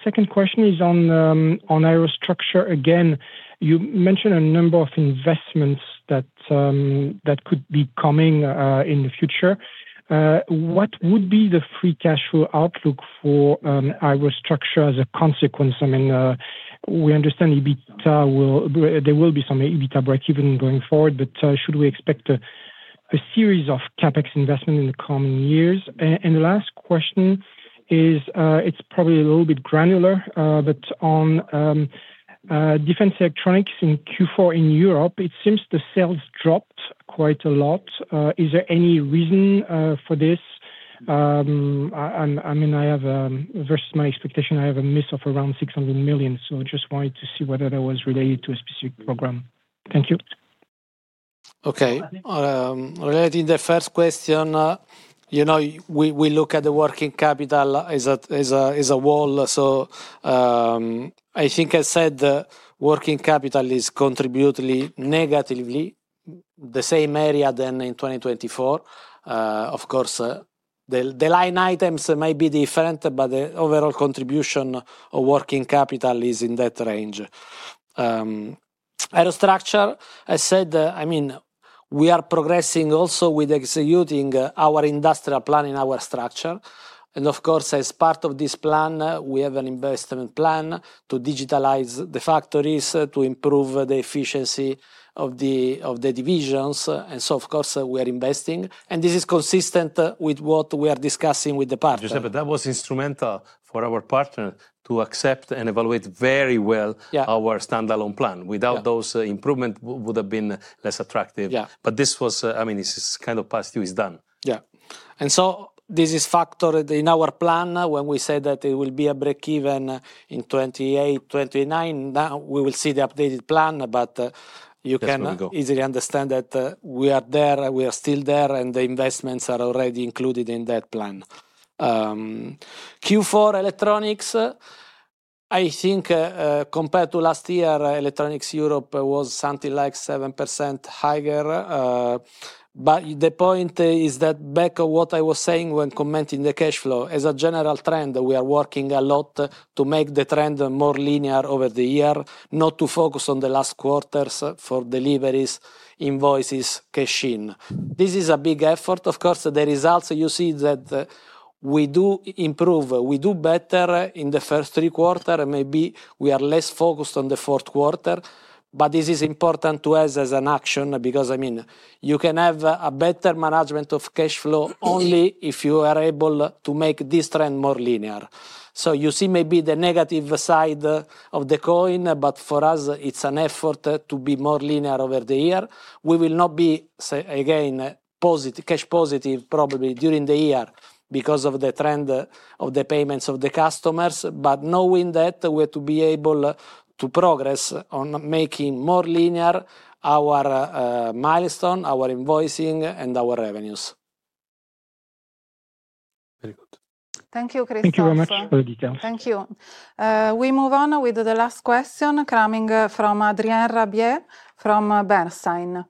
Second question is on Aerostructure. Again, you mentioned a number of investments that could be coming in the future. What would be the free cash flow outlook for Aerostructure as a consequence? I mean, we understand EBITDA there will be some EBITDA breakeven going forward, but should we expect a series of CapEx investment in the coming years? The last question is, it's probably a little bit granular, but on defense electronics in Q4 in Europe, it seems the sales dropped quite a lot. Is there any reason for this? I mean, versus my expectation, I have a miss of around 600 million. Just wanted to see whether that was related to a specific program. Thank you. Okay. Regarding the first question, you know, we look at the working capital as a wall. I think I said, working capital is contributely, negatively, the same area than in 2024. Of course, the line items might be different, but the overall contribution of working capital is in that range. Aerostructure, I said, I mean, we are progressing also with executing our industrial plan in our structure, and of course, as part of this plan, we have an investment plan to digitalize the factories, to improve the efficiency of the divisions. Of course, we are investing, and this is consistent with what we are discussing with the partner. Giuseppe, that was instrumental for our partner to accept and evaluate very well. Yeah our standalone plan. Yeah. Without those, improvement would have been less attractive. Yeah. This was, I mean, this is kind of past you, it's done. Yeah. This is factored in our plan when we say that it will be a break-even in 2028, 2029. Now, we will see the updated plan. That's where we go. easily understand that, we are there, we are still there, the investments are already included in that plan. Q4 electronics, I think, compared to last year, Electronics Europe was something like 7% higher. The point is that back what I was saying when commenting the cash flow, as a general trend, we are working a lot to make the trend more linear over the year, not to focus on the last quarters for deliveries, invoices, cash in. This is a big effort. The results you see that we do improve. We do better in the first three quarter, and maybe we are less focused on the fourth quarter. This is important to us as an action because, I mean, you can have a better management of cash flow only if you are able to make this trend more linear. You see maybe the negative side of the coin, but for us it's an effort to be more linear over the year. We will not be, say, again, cash positive probably during the year because of the trend of the payments of the customers. Knowing that, we have to be able to progress on making more linear our milestone, our invoicing, and our revenues. Very good. Thank you, Christophe. Thank you very much for the color. Thank you. We move on with the last question coming from Adrien Rabiot from Bernstein.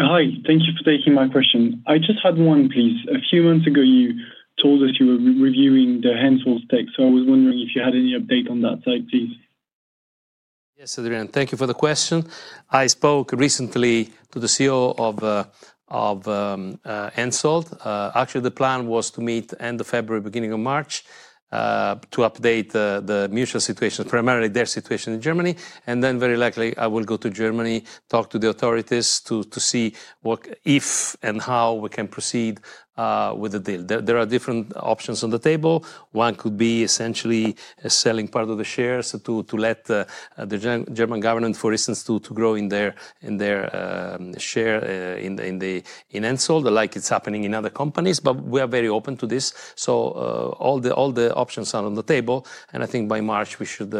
Hi, thank you for taking my question. I just had one, please. A few months ago, you told us you were reviewing the Hensoldt stake. I was wondering if you had any update on that side, please? Yes, Adrien, thank you for the question. I spoke recently to the CEO of Hensoldt. Actually, the plan was to meet end of February, beginning of March, to update the mutual situation, primarily their situation in Germany, then very likely I will go to Germany, talk to the authorities to see what if and how we can proceed with the deal. There are different options on the table. One could be essentially selling part of the shares to let the German government, for instance, to grow in their share in the Hensoldt, like it's happening in other companies. We are very open to this. All the, all the options are on the table, and I think by March, we should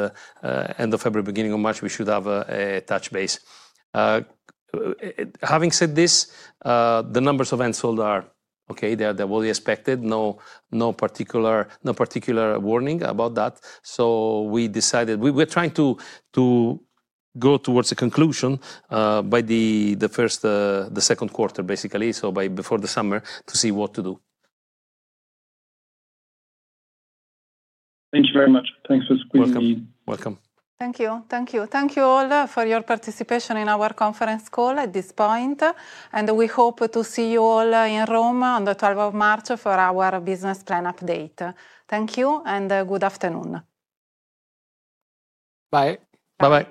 end of February, beginning of March, we should have a touch base. Having said this, the numbers of Hensoldt are okay. They are than we expected. No, no particular, no particular warning about that. We decided. We're trying to go towards a conclusion by the first, the second quarter, basically, so by before the summer, to see what to do. Thank you very much. Thanks for squeezing me in. Welcome. Welcome. Thank you. Thank you. Thank you all for your participation in our conference call at this point. We hope to see you all in Rome on the 12th of March for our business plan update. Thank you. Good afternoon. Bye. Bye-bye.